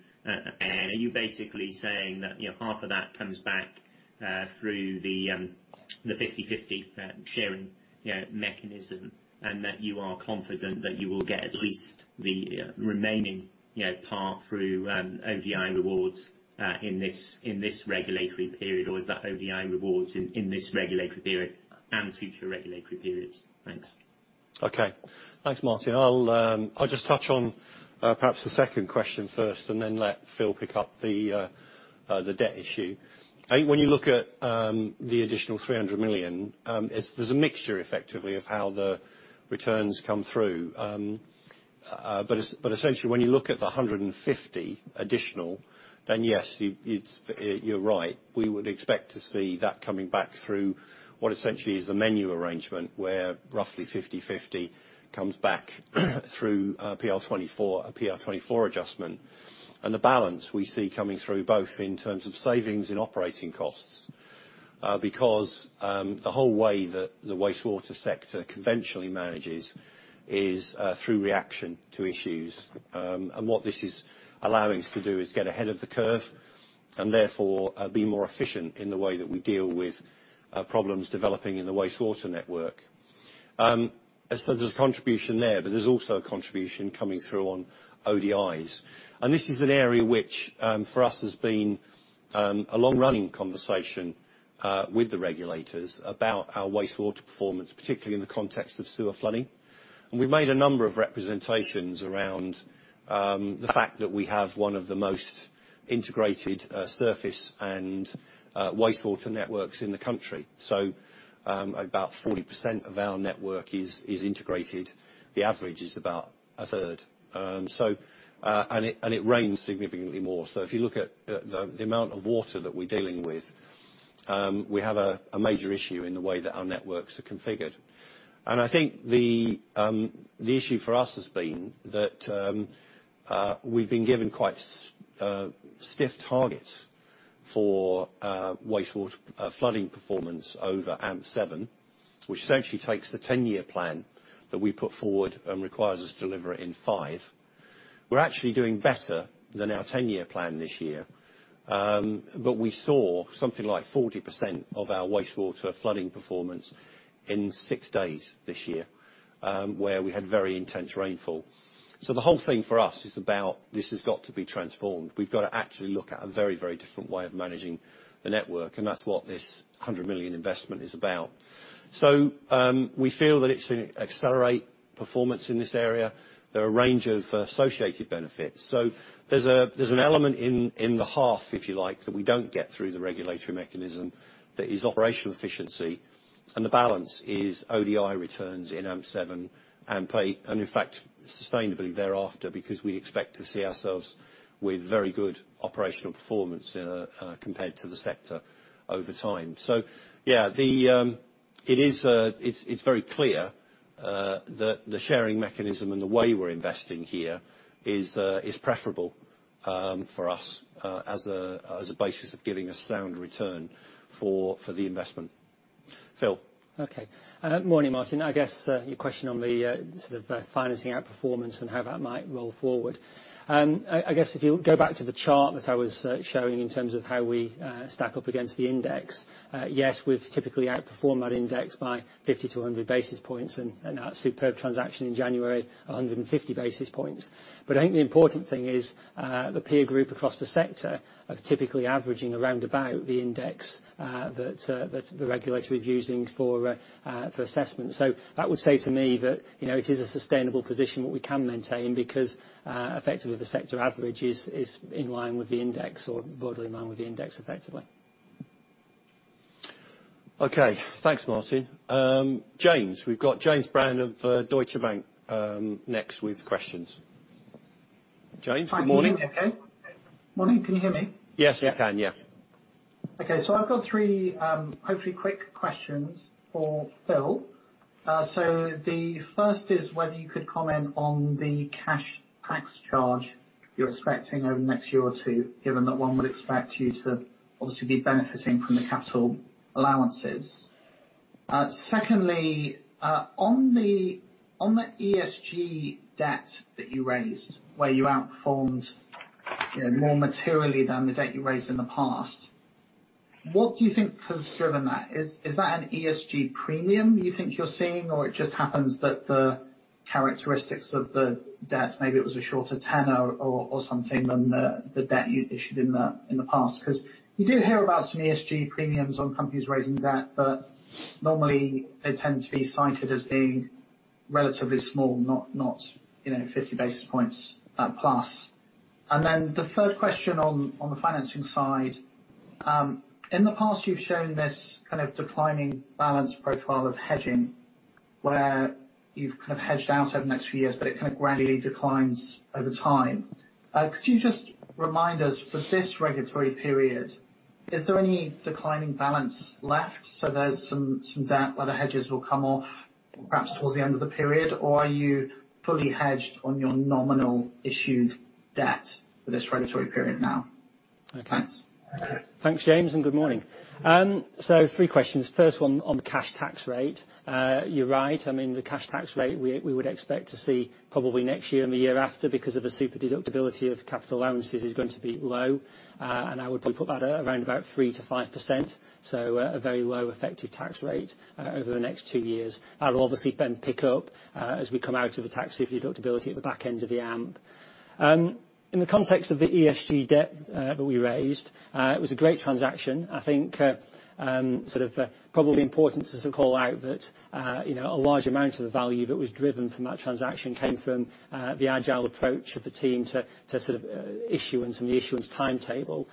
Are you basically saying that half of that comes back through the 50/50 sharing mechanism, and that you are confident that you will get at least the remaining part through ODI awards in this regulatory period? Or is that ODI awards in this regulatory period and future regulatory periods? Thanks. Okay. Thanks, Martin. I'll just touch on perhaps the second question first and then let Phil pick up the debt issue. When you look at the additional 300 million, there's a mixture effectively of how the returns come through. But essentially when you look at the 150 million additional, then yes, you're right. We would expect to see that coming back through what essentially is a menu arrangement where roughly 50/50 comes back through a PR24 adjustment. The balance we see coming through both in terms of savings and operating costs. The whole way that the wastewater sector conventionally manages is through reaction to issues. What this is allowing us to do is get ahead of the curve and therefore be more efficient in the way that we deal with problems developing in the wastewater network. There's a contribution there, but there's also a contribution coming through on ODIs. This is an area which for us has been a long-running conversation with the regulators about our wastewater performance, particularly in the context of sewer flooding. We made a number of representations around the fact that we have one of the most integrated surface and wastewater networks in the country. About 40% of our network is integrated. The average is about a 1/3. It rains significantly more. If you look at the amount of water that we're dealing with, we have a major issue in the way that our networks are configured. I think the issue for us has been that we've been given quite stiff targets for wastewater flooding performance over AMP7, which essentially takes the 10-year plan that we put forward and requires us to deliver it in five. We're actually doing better than our 10-year plan this year. We saw something like 40% of our wastewater flooding performance in six days this year, where we had very intense rainfall. The whole thing for us is about this has got to be transformed. We've got to actually look at a very different way of managing the network, and that's what this 100 million investment is about. We feel that it's to accelerate performance in this area. There are a range of associated benefits. There's an element in the half, if you like, that we don't get through the regulatory mechanism, that is operational efficiency. The balance is ODI returns in AMP7 and in fact, sustainably thereafter, because we expect to see ourselves with very good operational performance compared to the sector over time. Yeah, it's very clear that the sharing mechanism and the way we're investing here is preferable for us as a basis of giving a standard return for the investment. Phil. Morning, Martin. I guess your question on the sort of financing outperformance and how that might roll forward. I guess if you go back to the chart that I was showing in terms of how we stack up against the index. We've typically outperformed that index by 50-100 basis points and our superb transaction in January 150 basis points. I think the important thing is, the peer group across the sector are typically averaging around about the index that the regulator is using for assessment. That would say to me that it is a sustainable position that we can maintain because effectively the sector average is in line with the index or border line with the index effectively. Okay, thanks, Martin. James. We've got James Brand of Deutsche Bank next with questions. James, good morning. Morning. Can you hear me? Yes, I can. Yeah. Okay. I've got three hopefully quick questions for Phil. The first is whether you could comment on the cash tax charge you're expecting over the next year or two, given that one would expect you to obviously be benefiting from the capital allowances. Secondly, on the ESG debt that you raised, where you outperformed more materially than the debt you raised in the past. What do you think has driven that? Is that an ESG premium you think you're seeing, or it just happens that the characteristics of the debt, maybe it was a shorter tenor or something than the debt you'd issued in the past? Because you do hear about some ESG premiums on companies raising debt, but normally they tend to be cited as being relatively small, not 50 basis points, that plus. The third question on the financing side. In the past, you've shown this kind of declining balance profile of hedging where you've kind of hedged out over the next few years, but it kind of gradually declines over time. Could you just remind us for this regulatory period, is there any declining balance left, so there's some debt where the hedges will come off perhaps towards the end of the period? Or are you fully hedged on your nominal issued debt for this regulatory period now? Thanks. Thanks, James, and good morning. Three questions. First one on cash tax rate. You're right. I mean, the cash tax rate we would expect to see probably next year and the year after because of the super deductibility of capital allowances is going to be low, and I would put that around about 3%-5%. A very low effective tax rate over the next two years. That will obviously then pick up as we come out of the tax deductibility at the back end of the AMP. In the context of the ESG debt that we raised. It was a great transaction. I think probably important to call out that a large amount of the value that was driven from that transaction came from the agile approach of the team to issuance and the issuance timetable.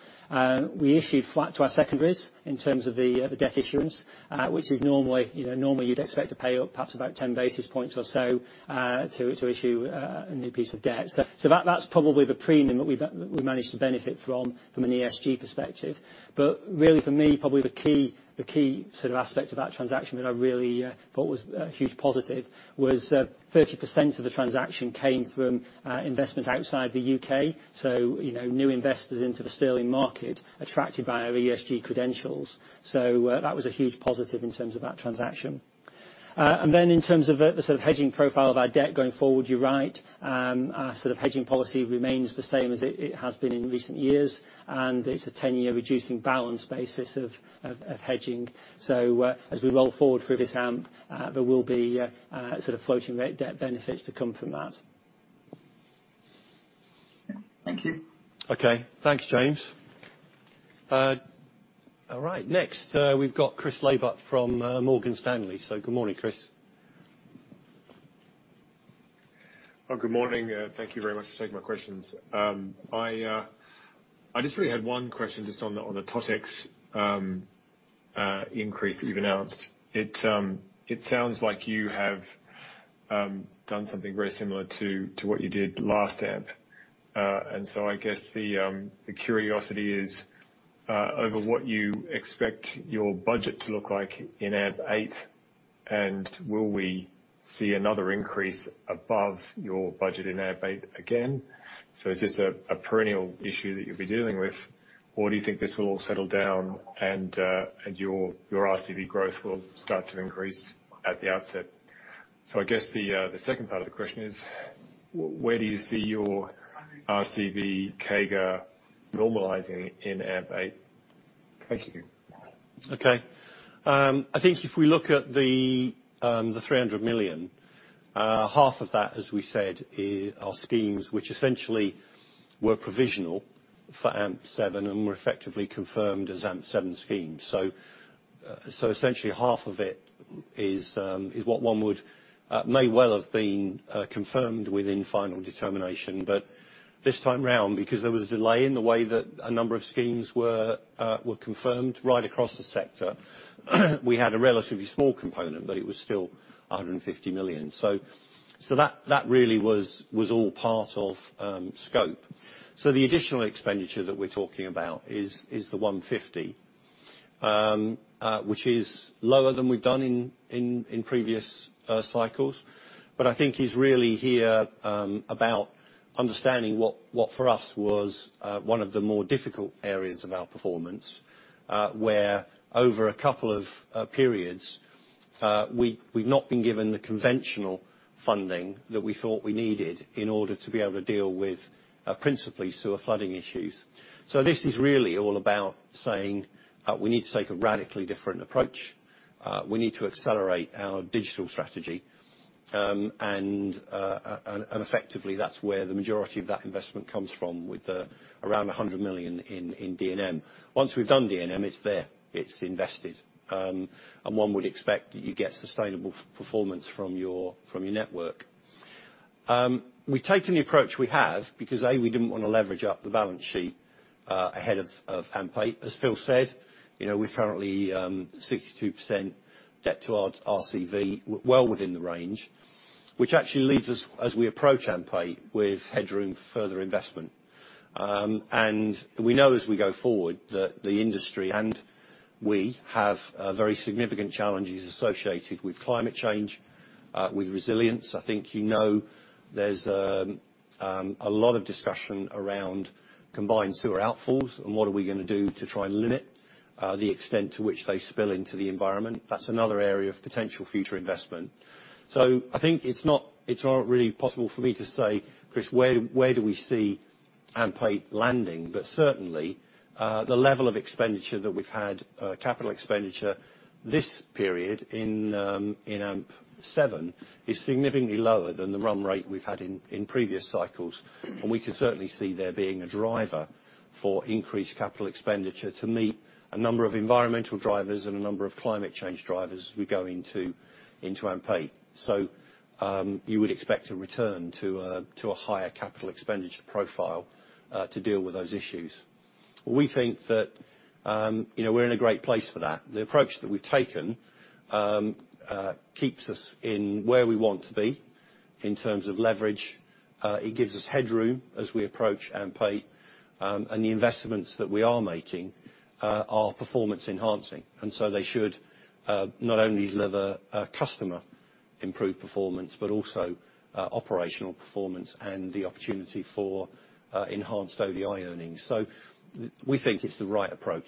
We issued flat to our secondaries in terms of the debt issuance, which is normally you'd expect to pay up perhaps about 10 basis points or so to issue a new piece of debt. That's probably the premium that we managed to benefit from an ESG perspective. Really for me, probably the key sort of aspect of that transaction that I really thought was a huge positive was 30% of the transaction came from investors outside the U.K. New investors into the sterling market attracted by our ESG credentials. That was a huge positive in terms of that transaction. Then in terms of the sort of hedging profile of our debt going forward, you're right. The hedging policy remains the same as it has been in recent years, and it's a 10-year reducing balance basis of hedging. As we roll forward through this AMP, there will be sort of floating rate debt benefits to come from that. Thank you. Okay. Thanks, James. All right. Next, we've got Chris Laybutt from Morgan Stanley. Good morning, Chris. Good morning. Thank you very much for taking my questions. I just really had one question on the TotEx increase that you've announced. It sounds like you have done something very similar to what you did last AMP. I guess the curiosity is over what you expect your budget to look like in AMP8, and will we see another increase above your budget in AMP8 again? Is this a perennial issue that you'll be dealing with, or do you think this will all settle down and your RCV growth will start to increase at the outset? I guess the second part of the question is, where do you see your RCV CAGR normalizing in AMP8? Thank you. Okay. I think if we look at the 300 million, half of that, as we said, are schemes which essentially were provisional for AMP7 and were effectively confirmed as AMP7 schemes. Essentially half of it may well have been confirmed within Final Determination. This time around, because there was a delay in the way that a number of schemes were confirmed right across the sector, we had a relatively small component, but it was still 150 million. That really was all part of scope. The additional expenditure that we're talking about is the 150 million, which is lower than we've done in previous cycles. I think it's really here about understanding what for us was one of the more difficult areas of our performance, where over a couple of periods, we've not been given the conventional funding that we thought we needed in order to be able to deal with principally sewer flooding issues. This is really all about saying we need to take a radically different approach. We need to accelerate our digital strategy. Effectively, that's where the majority of that investment comes from with around 100 million in DNM. Once we've done DNM, it's there, it's invested. One would expect that you get sustainable performance from your network. We've taken the approach we have because, A, we didn't want to leverage up the balance sheet ahead of AMP8. As Phil said, we're currently 62% debt to RCV, well within the range, which actually leaves us as we approach AMP8 with headroom for further investment. We know as we go forward that the industry and we have very significant challenges associated with climate change, with resilience. I think you know there's a lot of discussion around combined sewer outflows and what are we going to do to try and limit the extent to which they spill into the environment. That's another area of potential future investment. I think it's not really possible for me to say, Chris, where do we see AMP8 landing? Certainly, the level of expenditure that we've had, capital expenditure this period in AMP7 is significantly lower than the run rate we've had in previous cycles. We can certainly see there being a driver for increased capital expenditure to meet a number of environmental drivers and a number of climate change drivers as we go into AMP8. You would expect a return to a higher capital expenditure profile to deal with those issues. We think that we're in a great place for that. The approach that we've taken keeps us in where we want to be in terms of leverage. It gives us headroom as we approach AMP8, and the investments that we are making are performance enhancing. They should not only deliver customer improved performance, but also operational performance and the opportunity for enhanced ODI earnings. We think it's the right approach.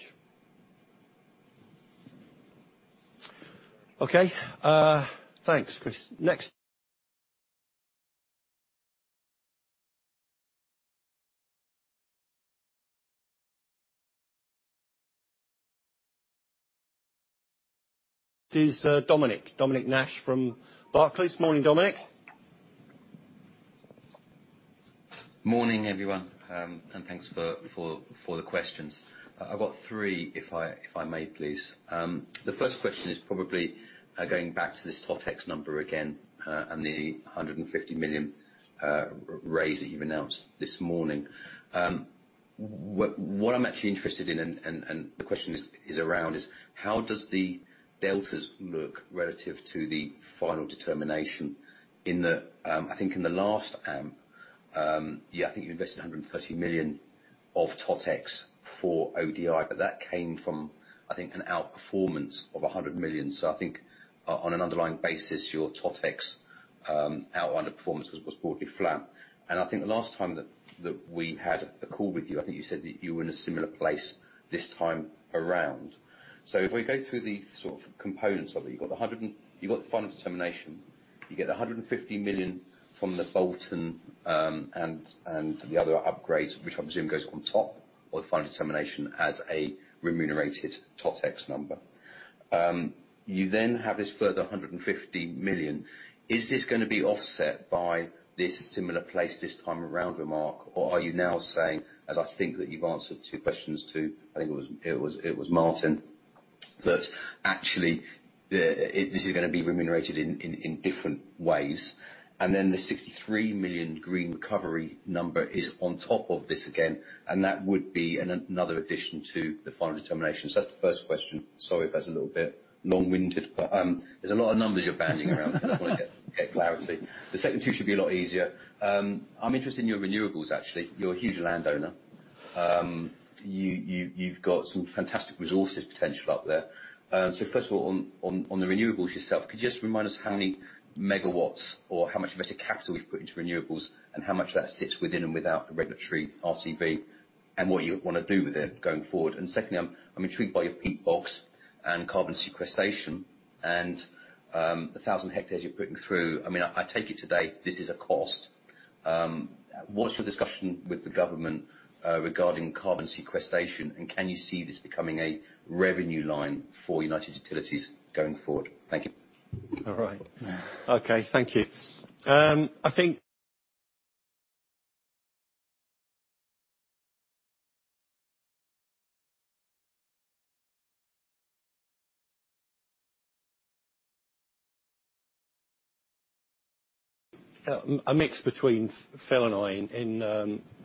Okay. Thanks, Chris. Next is Dominic. Dominic Nash from Barclays. Morning, Dominic. Morning, everyone, and thanks for the questions. I've got three if I may, please. The first question is probably going back to this TotEx number again and the 150 million raise that you've announced this morning. What I'm actually interested in and the question is around is how does the deltas look relative to the Final Determination? I think in the last AMP, yeah, I think you invested 130 million of TotEx for ODI, but that came from, I think, an outperformance of 100 million. I think on an underlying basis, your TotEx out under performance was broadly flat. I think the last time that we had a call with you, I think you said that you were in a similar place this time around. If we go through the sort of components of it, you got the Final Determination, you get 150 million from the Bolton and the other upgrades, which I'm assuming goes on top of the Final Determination as a remunerated TotEx number. You then have this further 150 million. Is this going to be offset by this similar place this time around remark? Are you now saying, as I think that you've answered two questions to, I think it was Martin, actually, this is going to be remunerated in different ways. The 63 million green recovery number is on top of this again, and that would be another addition to the Final Determination. That's the first question. Sorry if that's a little bit long-winded, but there's a lot of numbers you're banding around. I want to get clarity. The second two should be a lot easier. I'm interested in your renewables, actually. You're a huge landowner. You've got some fantastic resources potential out there. First of all, on the renewables yourself, could you just remind us how many megawatt or how much invested capital you've put into renewables and how much that sits within and without the regulatory RCV and what you want to do with it going forward? Secondly, I'm intrigued by your peat bogs and carbon sequestration and the 1,000 hectares you're putting through. I take it today this is a cost. What's the discussion with the government regarding carbon sequestration, and can you see this becoming a revenue line for United Utilities going forward? Thank you. All right. Okay, thank you. I think a mix between Phil and I in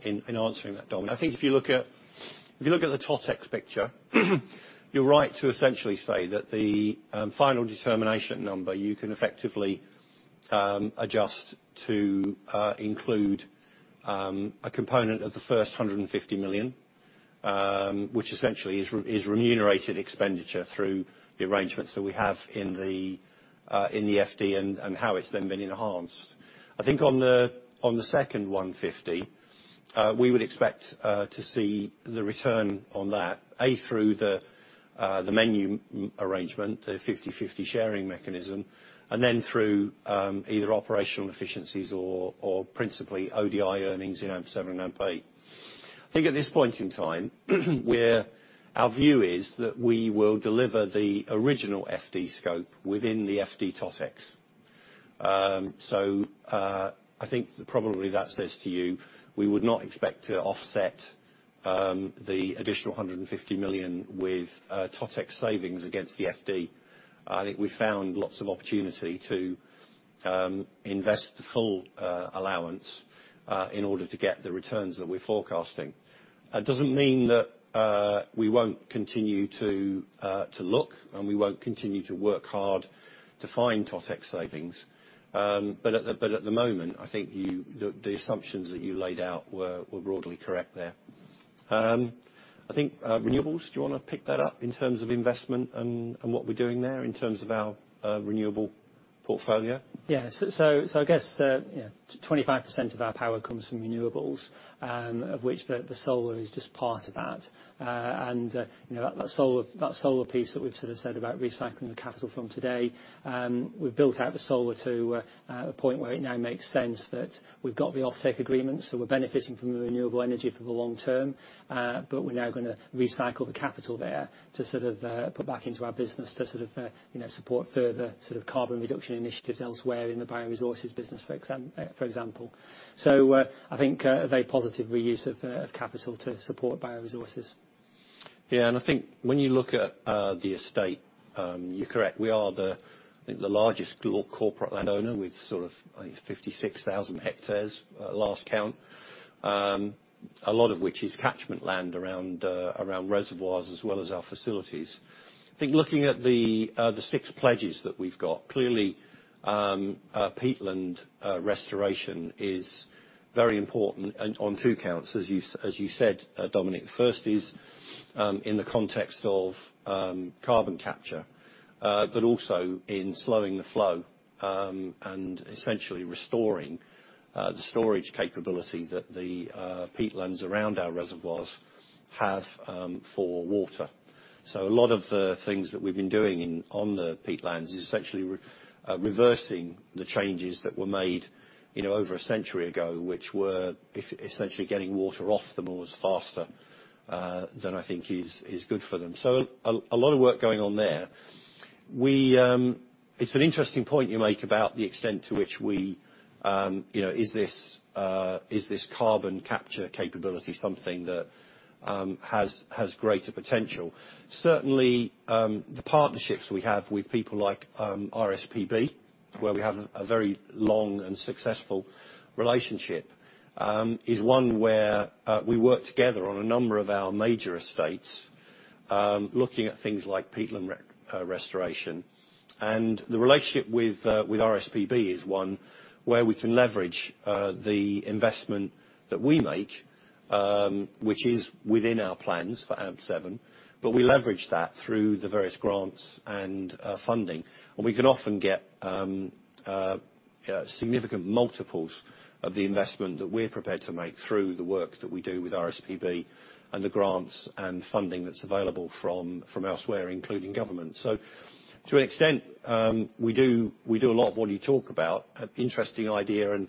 answering that, Dominic. I think if you look at the TotEx picture, you're right to essentially say that the Final Determination number you can effectively adjust to include a component of the first 150 million, which essentially is remunerated expenditure through the arrangements that we have in the FD and how it's then been enhanced. I think on the second 150 million, we would expect to see the return on that, A, through the menu arrangement, the 50/50 sharing mechanism, and then through either operational efficiencies or principally ODI earnings in AMP7 and AMP8. I think at this point in time, our view is that we will deliver the original FD scope within the FD TotEx. I think probably that says to you we would not expect to offset the additional 150 million with TotEx savings against the FD. I think we found lots of opportunity to invest the full allowance in order to get the returns that we're forecasting. That doesn't mean that we won't continue to look, and we won't continue to work hard to find TotEx savings. At the moment, I think the assumptions that you laid out were broadly correct there. I think renewables, do you want to pick that up in terms of investment and what we're doing there in terms of our renewable portfolio? Yes. I guess 25% of our power comes from renewables, of which the solar is just part of that. That solar piece that we said about recycling the capital from today, we've built out the solar to a point where it now makes sense that we've got the offsite agreement, so we're benefiting from the renewable energy for the long-term. We're now going to recycle the capital there to put back into our business to support further carbon reduction initiatives elsewhere in the bioresources business, for example. I think a very positive reuse of capital to support bioresources. Yeah, I think when you look at the estate, you're correct. We are the largest corporate landowner with sort of 56,000 hectares at last count, a lot of which is catchment land around reservoirs as well as our facilities. I think looking at the six pledges that we've got, clearly, peatland restoration is very important on two counts, as you said, Dominic. First is in the context of carbon capture, also in slowing the flow and essentially restoring the storage capability that the peatlands around our reservoirs have for water. A lot of the things that we've been doing on the peatlands is essentially reversing the changes that were made over a century ago, which were essentially getting water off the moors faster than I think is good for them. A lot of work going on there. It's an interesting point you make about the extent to which is this carbon capture capability something that has greater potential. Certainly, the partnerships we have with people like RSPB, where we have a very long and successful relationship, is one where we work together on a number of our major estates looking at things like peatland restoration. The relationship with RSPB is one where we can leverage the investment that we make, which is within our plans for AMP7, but we leverage that through the various grants and funding. We can often get significant multiples of the investment that we're prepared to make through the work that we do with RSPB and the grants and funding that's available from elsewhere, including government. To an extent, we do a lot of what you talk about. Interesting idea.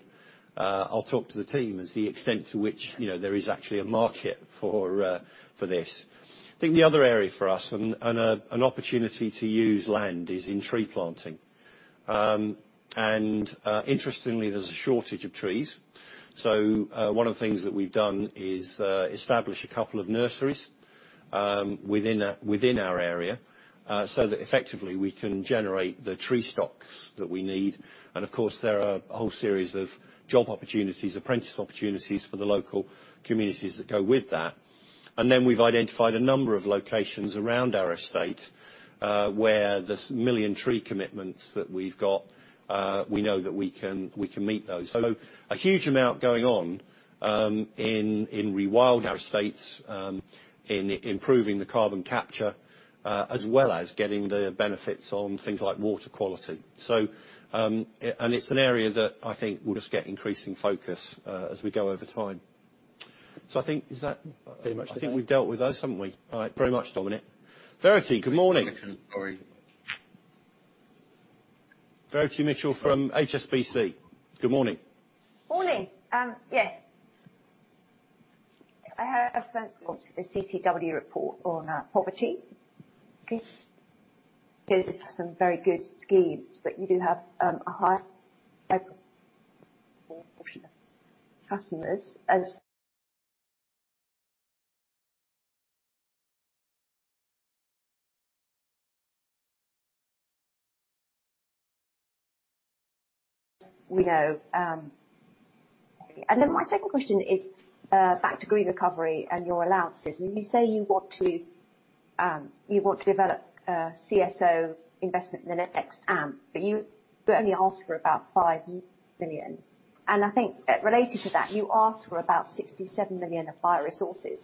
I'll talk to the team as the extent to which there is actually a market for this. I think the other area for us and an opportunity to use land is in tree planting. Interestingly, there's a shortage of trees. One of the things that we've done is establish a couple of nurseries within our area, so that effectively we can generate the tree stocks that we need. Of course, there are a whole series of job opportunities, apprentice opportunities for the local communities that go with that. We've identified a number of locations around our estate, where there's a 1 million tree commitments that we've got, we know that we can meet those. A huge amount going on in rewilding our estates, in improving the carbon capture, as well as getting the benefits on things like water quality. It's an area that I think will just get increasing focus as we go over time. I think is that I think we've dealt with those, haven't we? All right. Very much, Dominic. Verity, good morning. Sorry. Verity Mitchell from HSBC. Good morning. Morning. CCW report on poverty. This did have some very good schemes, but you do have a high customers as we know. My second question is back to green recovery and your allowances. When you say you want to develop CSO investment in the next AMP, but you only asked for about 5 million. I think related to that, you asked for about 67 million of bio resources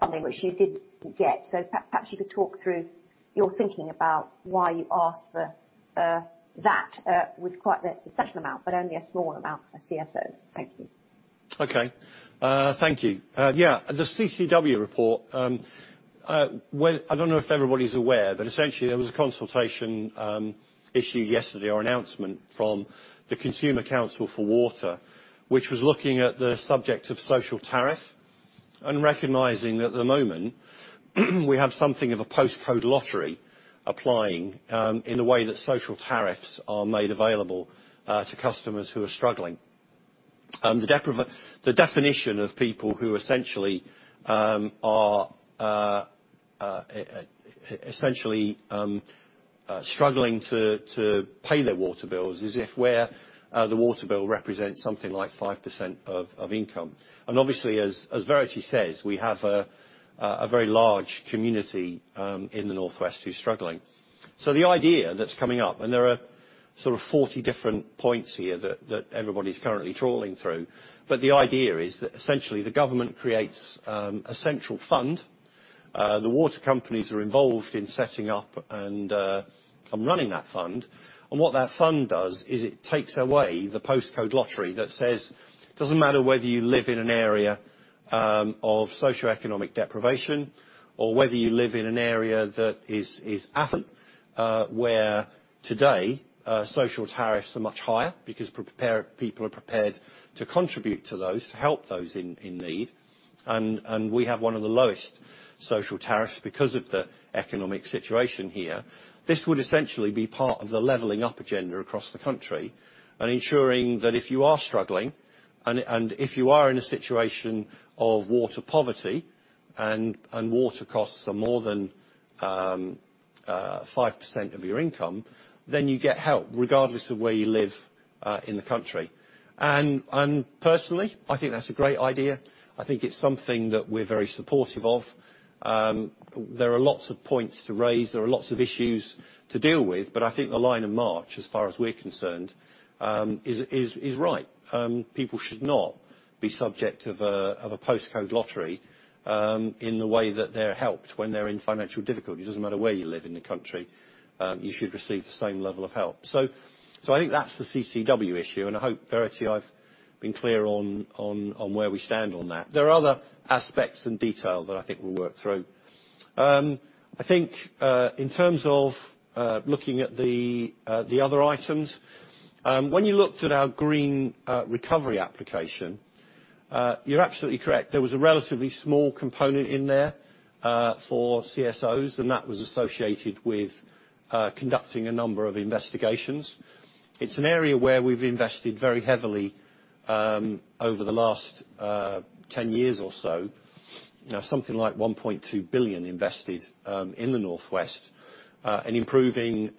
funding, which you did get. Perhaps you could talk through your thinking about why you asked for that with quite a substantial amount, but only a small amount for CSO? Thank you. Okay. Thank you. The CCW report, I don't know if everybody's aware, essentially there was a consultation issued yesterday or announcement from the Consumer Council for Water, which was looking at the subject of social tariff and recognizing at the moment we have something of a postcode lottery applying in the way that social tariffs are made available to customers who are struggling. The definition of people who essentially are struggling to pay their water bills is if the water bill represents something like 5% of income. Obviously, as Verity says, we have a very large community in the North West who's struggling. The idea that's coming up, there are sort of 40 different points here that everybody's currently trawling through, the idea is that essentially the government creates a central fund. The water companies are involved in setting up and running that fund. What that fund does is it takes away the postcode lottery that says, doesn't matter whether you live in an area of socioeconomic deprivation or whether you live in an area that is affluent, where today social tariffs are much higher because people are prepared to contribute to those to help those in need. We have one of the lowest social tariffs because of the economic situation here. This would essentially be part of the Leveling Up agenda across the country and ensuring that if you are struggling and if you are in a situation of water poverty and water costs are more than 5% of your income, then you get help regardless of where you live in the country. Personally, I think that's a great idea. I think it's something that we're very supportive of. There are lots of points to raise. There are lots of issues to deal with. I think the line of March, as far as we're concerned, is right. People should not be subject of a postcode lottery in the way that they're helped when they're in financial difficulty. It doesn't matter where you live in the country, you should receive the same level of help. I think that's the CCW issue, and I hope, Verity, I've been clear on where we stand on that. There are other aspects and details that I think we'll work through. I think in terms of looking at the other items, when you looked at our green recovery application, you're absolutely correct, there was a relatively small component in there for CSOs, and that was associated with conducting a number of investigations. It's an area where we've invested very heavily over the last 10 years or so. Now something like 1.2 billion invested in the North West in improving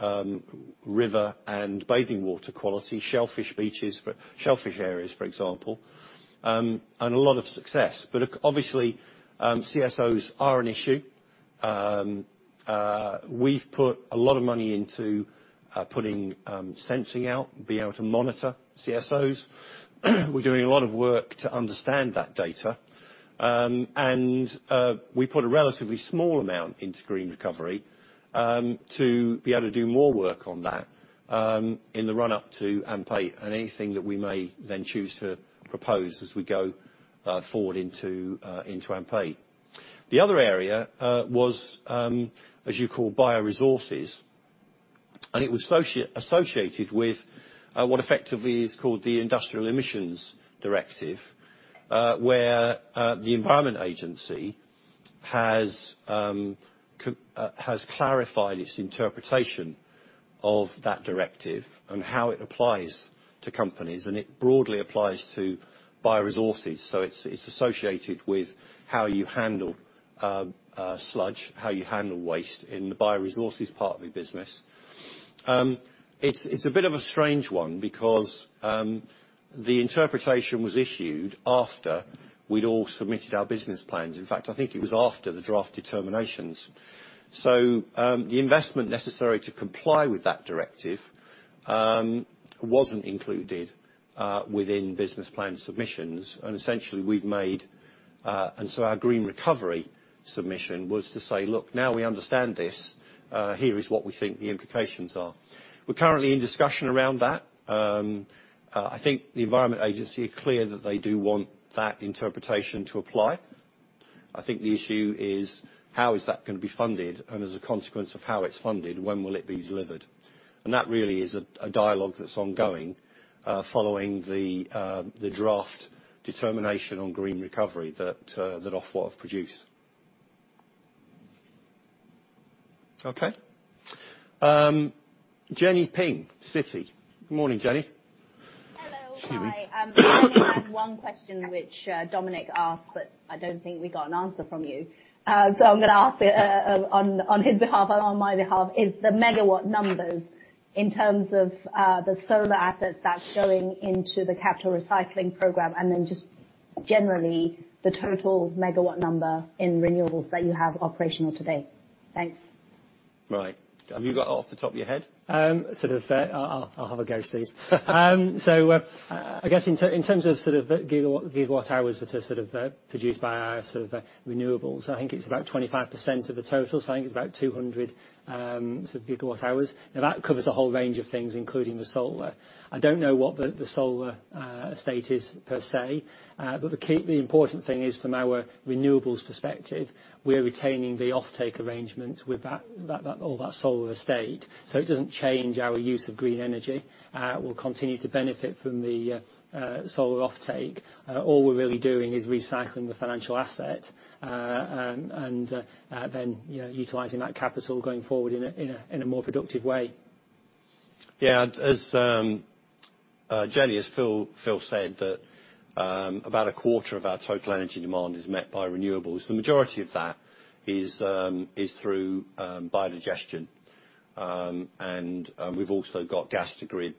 river and bathing water quality, shellfish areas, for example, and a lot of success. Obviously, CSOs are an issue. We've put a lot of money into putting sensing out, being able to monitor CSOs. We're doing a lot of work to understand that data. We put a relatively small amount into green recovery to be able to do more work on that in the run up to AMP8 and anything that we may then choose to propose as we go forward into AMP8. The other area was, as you call bioresources, it was associated with what effectively is called the Industrial Emissions Directive, where the Environment Agency has clarified its interpretation of that directive and how it applies to companies, and it broadly applies to bioresources. It's associated with how you handle sludge, how you handle waste in the bioresources part of the business. It's a bit of a strange one because the interpretation was issued after we'd all submitted our business plans. In fact, I think it was after the draft determinations. The investment necessary to comply with that directive wasn't included within business plan submissions and essentially we've made and so our green recovery submission was to say, "Look, now we understand this. Here is what we think the implications are." We're currently in discussion around that. I think the Environment Agency are clear that they do want that interpretation to apply. I think the issue is how is that going to be funded and as a consequence of how it's funded, when will it be delivered? That really is a dialogue that's ongoing following the draft determination on green recovery that Ofwat's produced. Okay. Jenny Ping, Citi. Morning, Jenny. Hello. Hi. Excuse me. I just had one question which Dominic asked that I don't think we got an answer from you. I'm going to ask it on his behalf and on my behalf, is the megawatt numbers in terms of the solar assets that's going into the capital recycling programme, and then just generally the total megawatt number in renewables that you have operational today? Thanks. Right. Have you got it off the top of your head? I'll have a go, Steve. I guess in terms of gigawatt hours that are produced by our renewables, I think it's about 25% of the total, so I think it's about 200 GW hours. That covers a whole range of things, including the solar. I don't know what the solar estate is per se. To keep the important thing is from our renewables perspective, we are retaining the offtake arrangements with all that solar estate. It doesn't change our use of green energy. We'll continue to benefit from the solar offtake. All we're really doing is recycling the financial asset, and then utilizing that capital going forward in a more productive way. Yeah. As Jenny, as Phil said, that about a quarter of our total energy demand is met by renewables. The majority of that is through biodigestion. We've also got gas to grid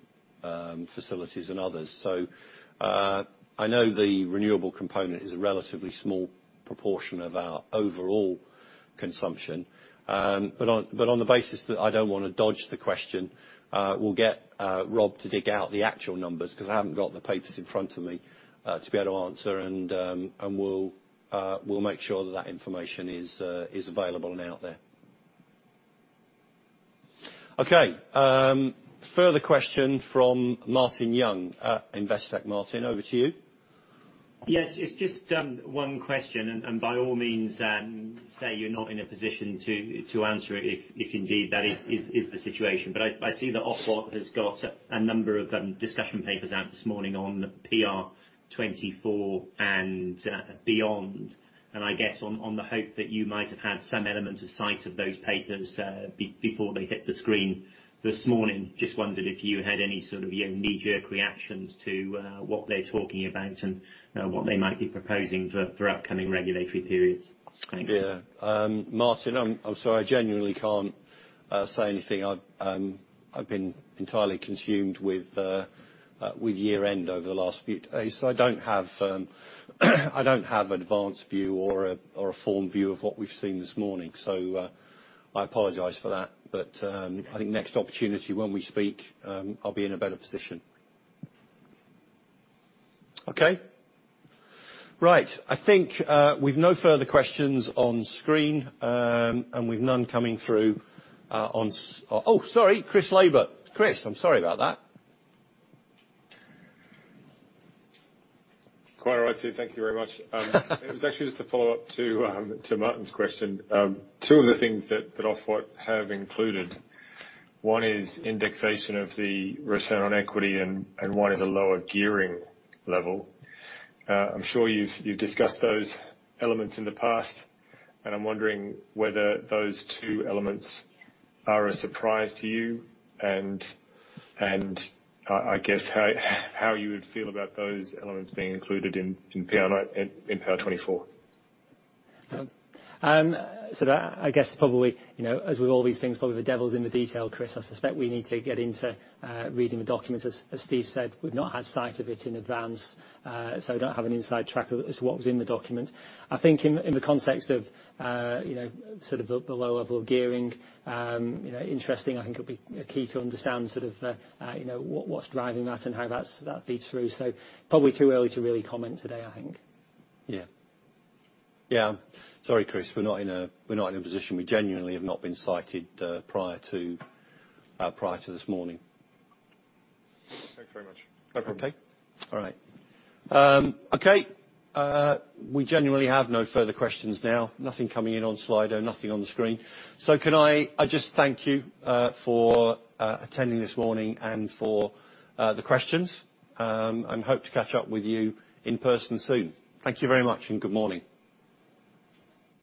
facilities and others. I know the renewable component is a relatively small proportion of our overall consumption. On the basis that I don't want to dodge the question, we'll get Rob to dig out the actual numbers because I haven't got the papers in front of me to be able to answer and we'll make sure that information is available and out there. Okay, further question from Martin Young, Investec. Martin, over to you. Yes, it's just one question. By all means, say you're not in a position to answer it if indeed that is the situation. I see that Ofwat has got a number of discussion papers out this morning on PR24 and beyond. I guess on the hope that you might have had some elements of sight of those papers before they hit the screen this morning, just wondered if you had any sort of knee-jerk reactions to what they're talking about and what they might be proposing for upcoming regulatory periods. Thanks. Yeah. Martin, I am sorry, I genuinely can't say anything. I've been entirely consumed with year-end over the last few days. I don't have an advanced view or a full view of what we've seen this morning, so I apologize for that. I think next opportunity when we speak, I'll be in a better position. Okay. Right. I think with no further questions on screen, and with none coming through on Oh, sorry. Chris Laybutt. Chris, I am sorry about that. Quite all right, Steve. Thank you very much. It was actually just a follow-up to Martin's question. Two of the things that Ofwat have included, one is indexation of the return on equity and one is a lower gearing level. I'm sure you've discussed those elements in the past, and I'm wondering whether those two elements are a surprise to you and I guess how you would feel about those elements being included in PR24? I guess probably, as with all these things, probably the devil's in the detail, Chris. I suspect we need to get into reading the documents. As Steve said, we've not had sight of it in advance, so I don't have an inside track of what's in the document. I think in the context of the lower level of gearing, interesting, I think it'll be key to understand what's driving that and how that feeds through. Probably too early to really comment today, I think. Yeah. Sorry, Chris. We're not in a position. We genuinely have not been sighted prior to this morning. Thanks very much. No problem. Okay. All right. Okay, we genuinely have no further questions now. Nothing coming in on Slido, nothing on the screen. Can I just thank you for attending this morning and for the questions, and hope to catch up with you in person soon. Thank you very much and good morning.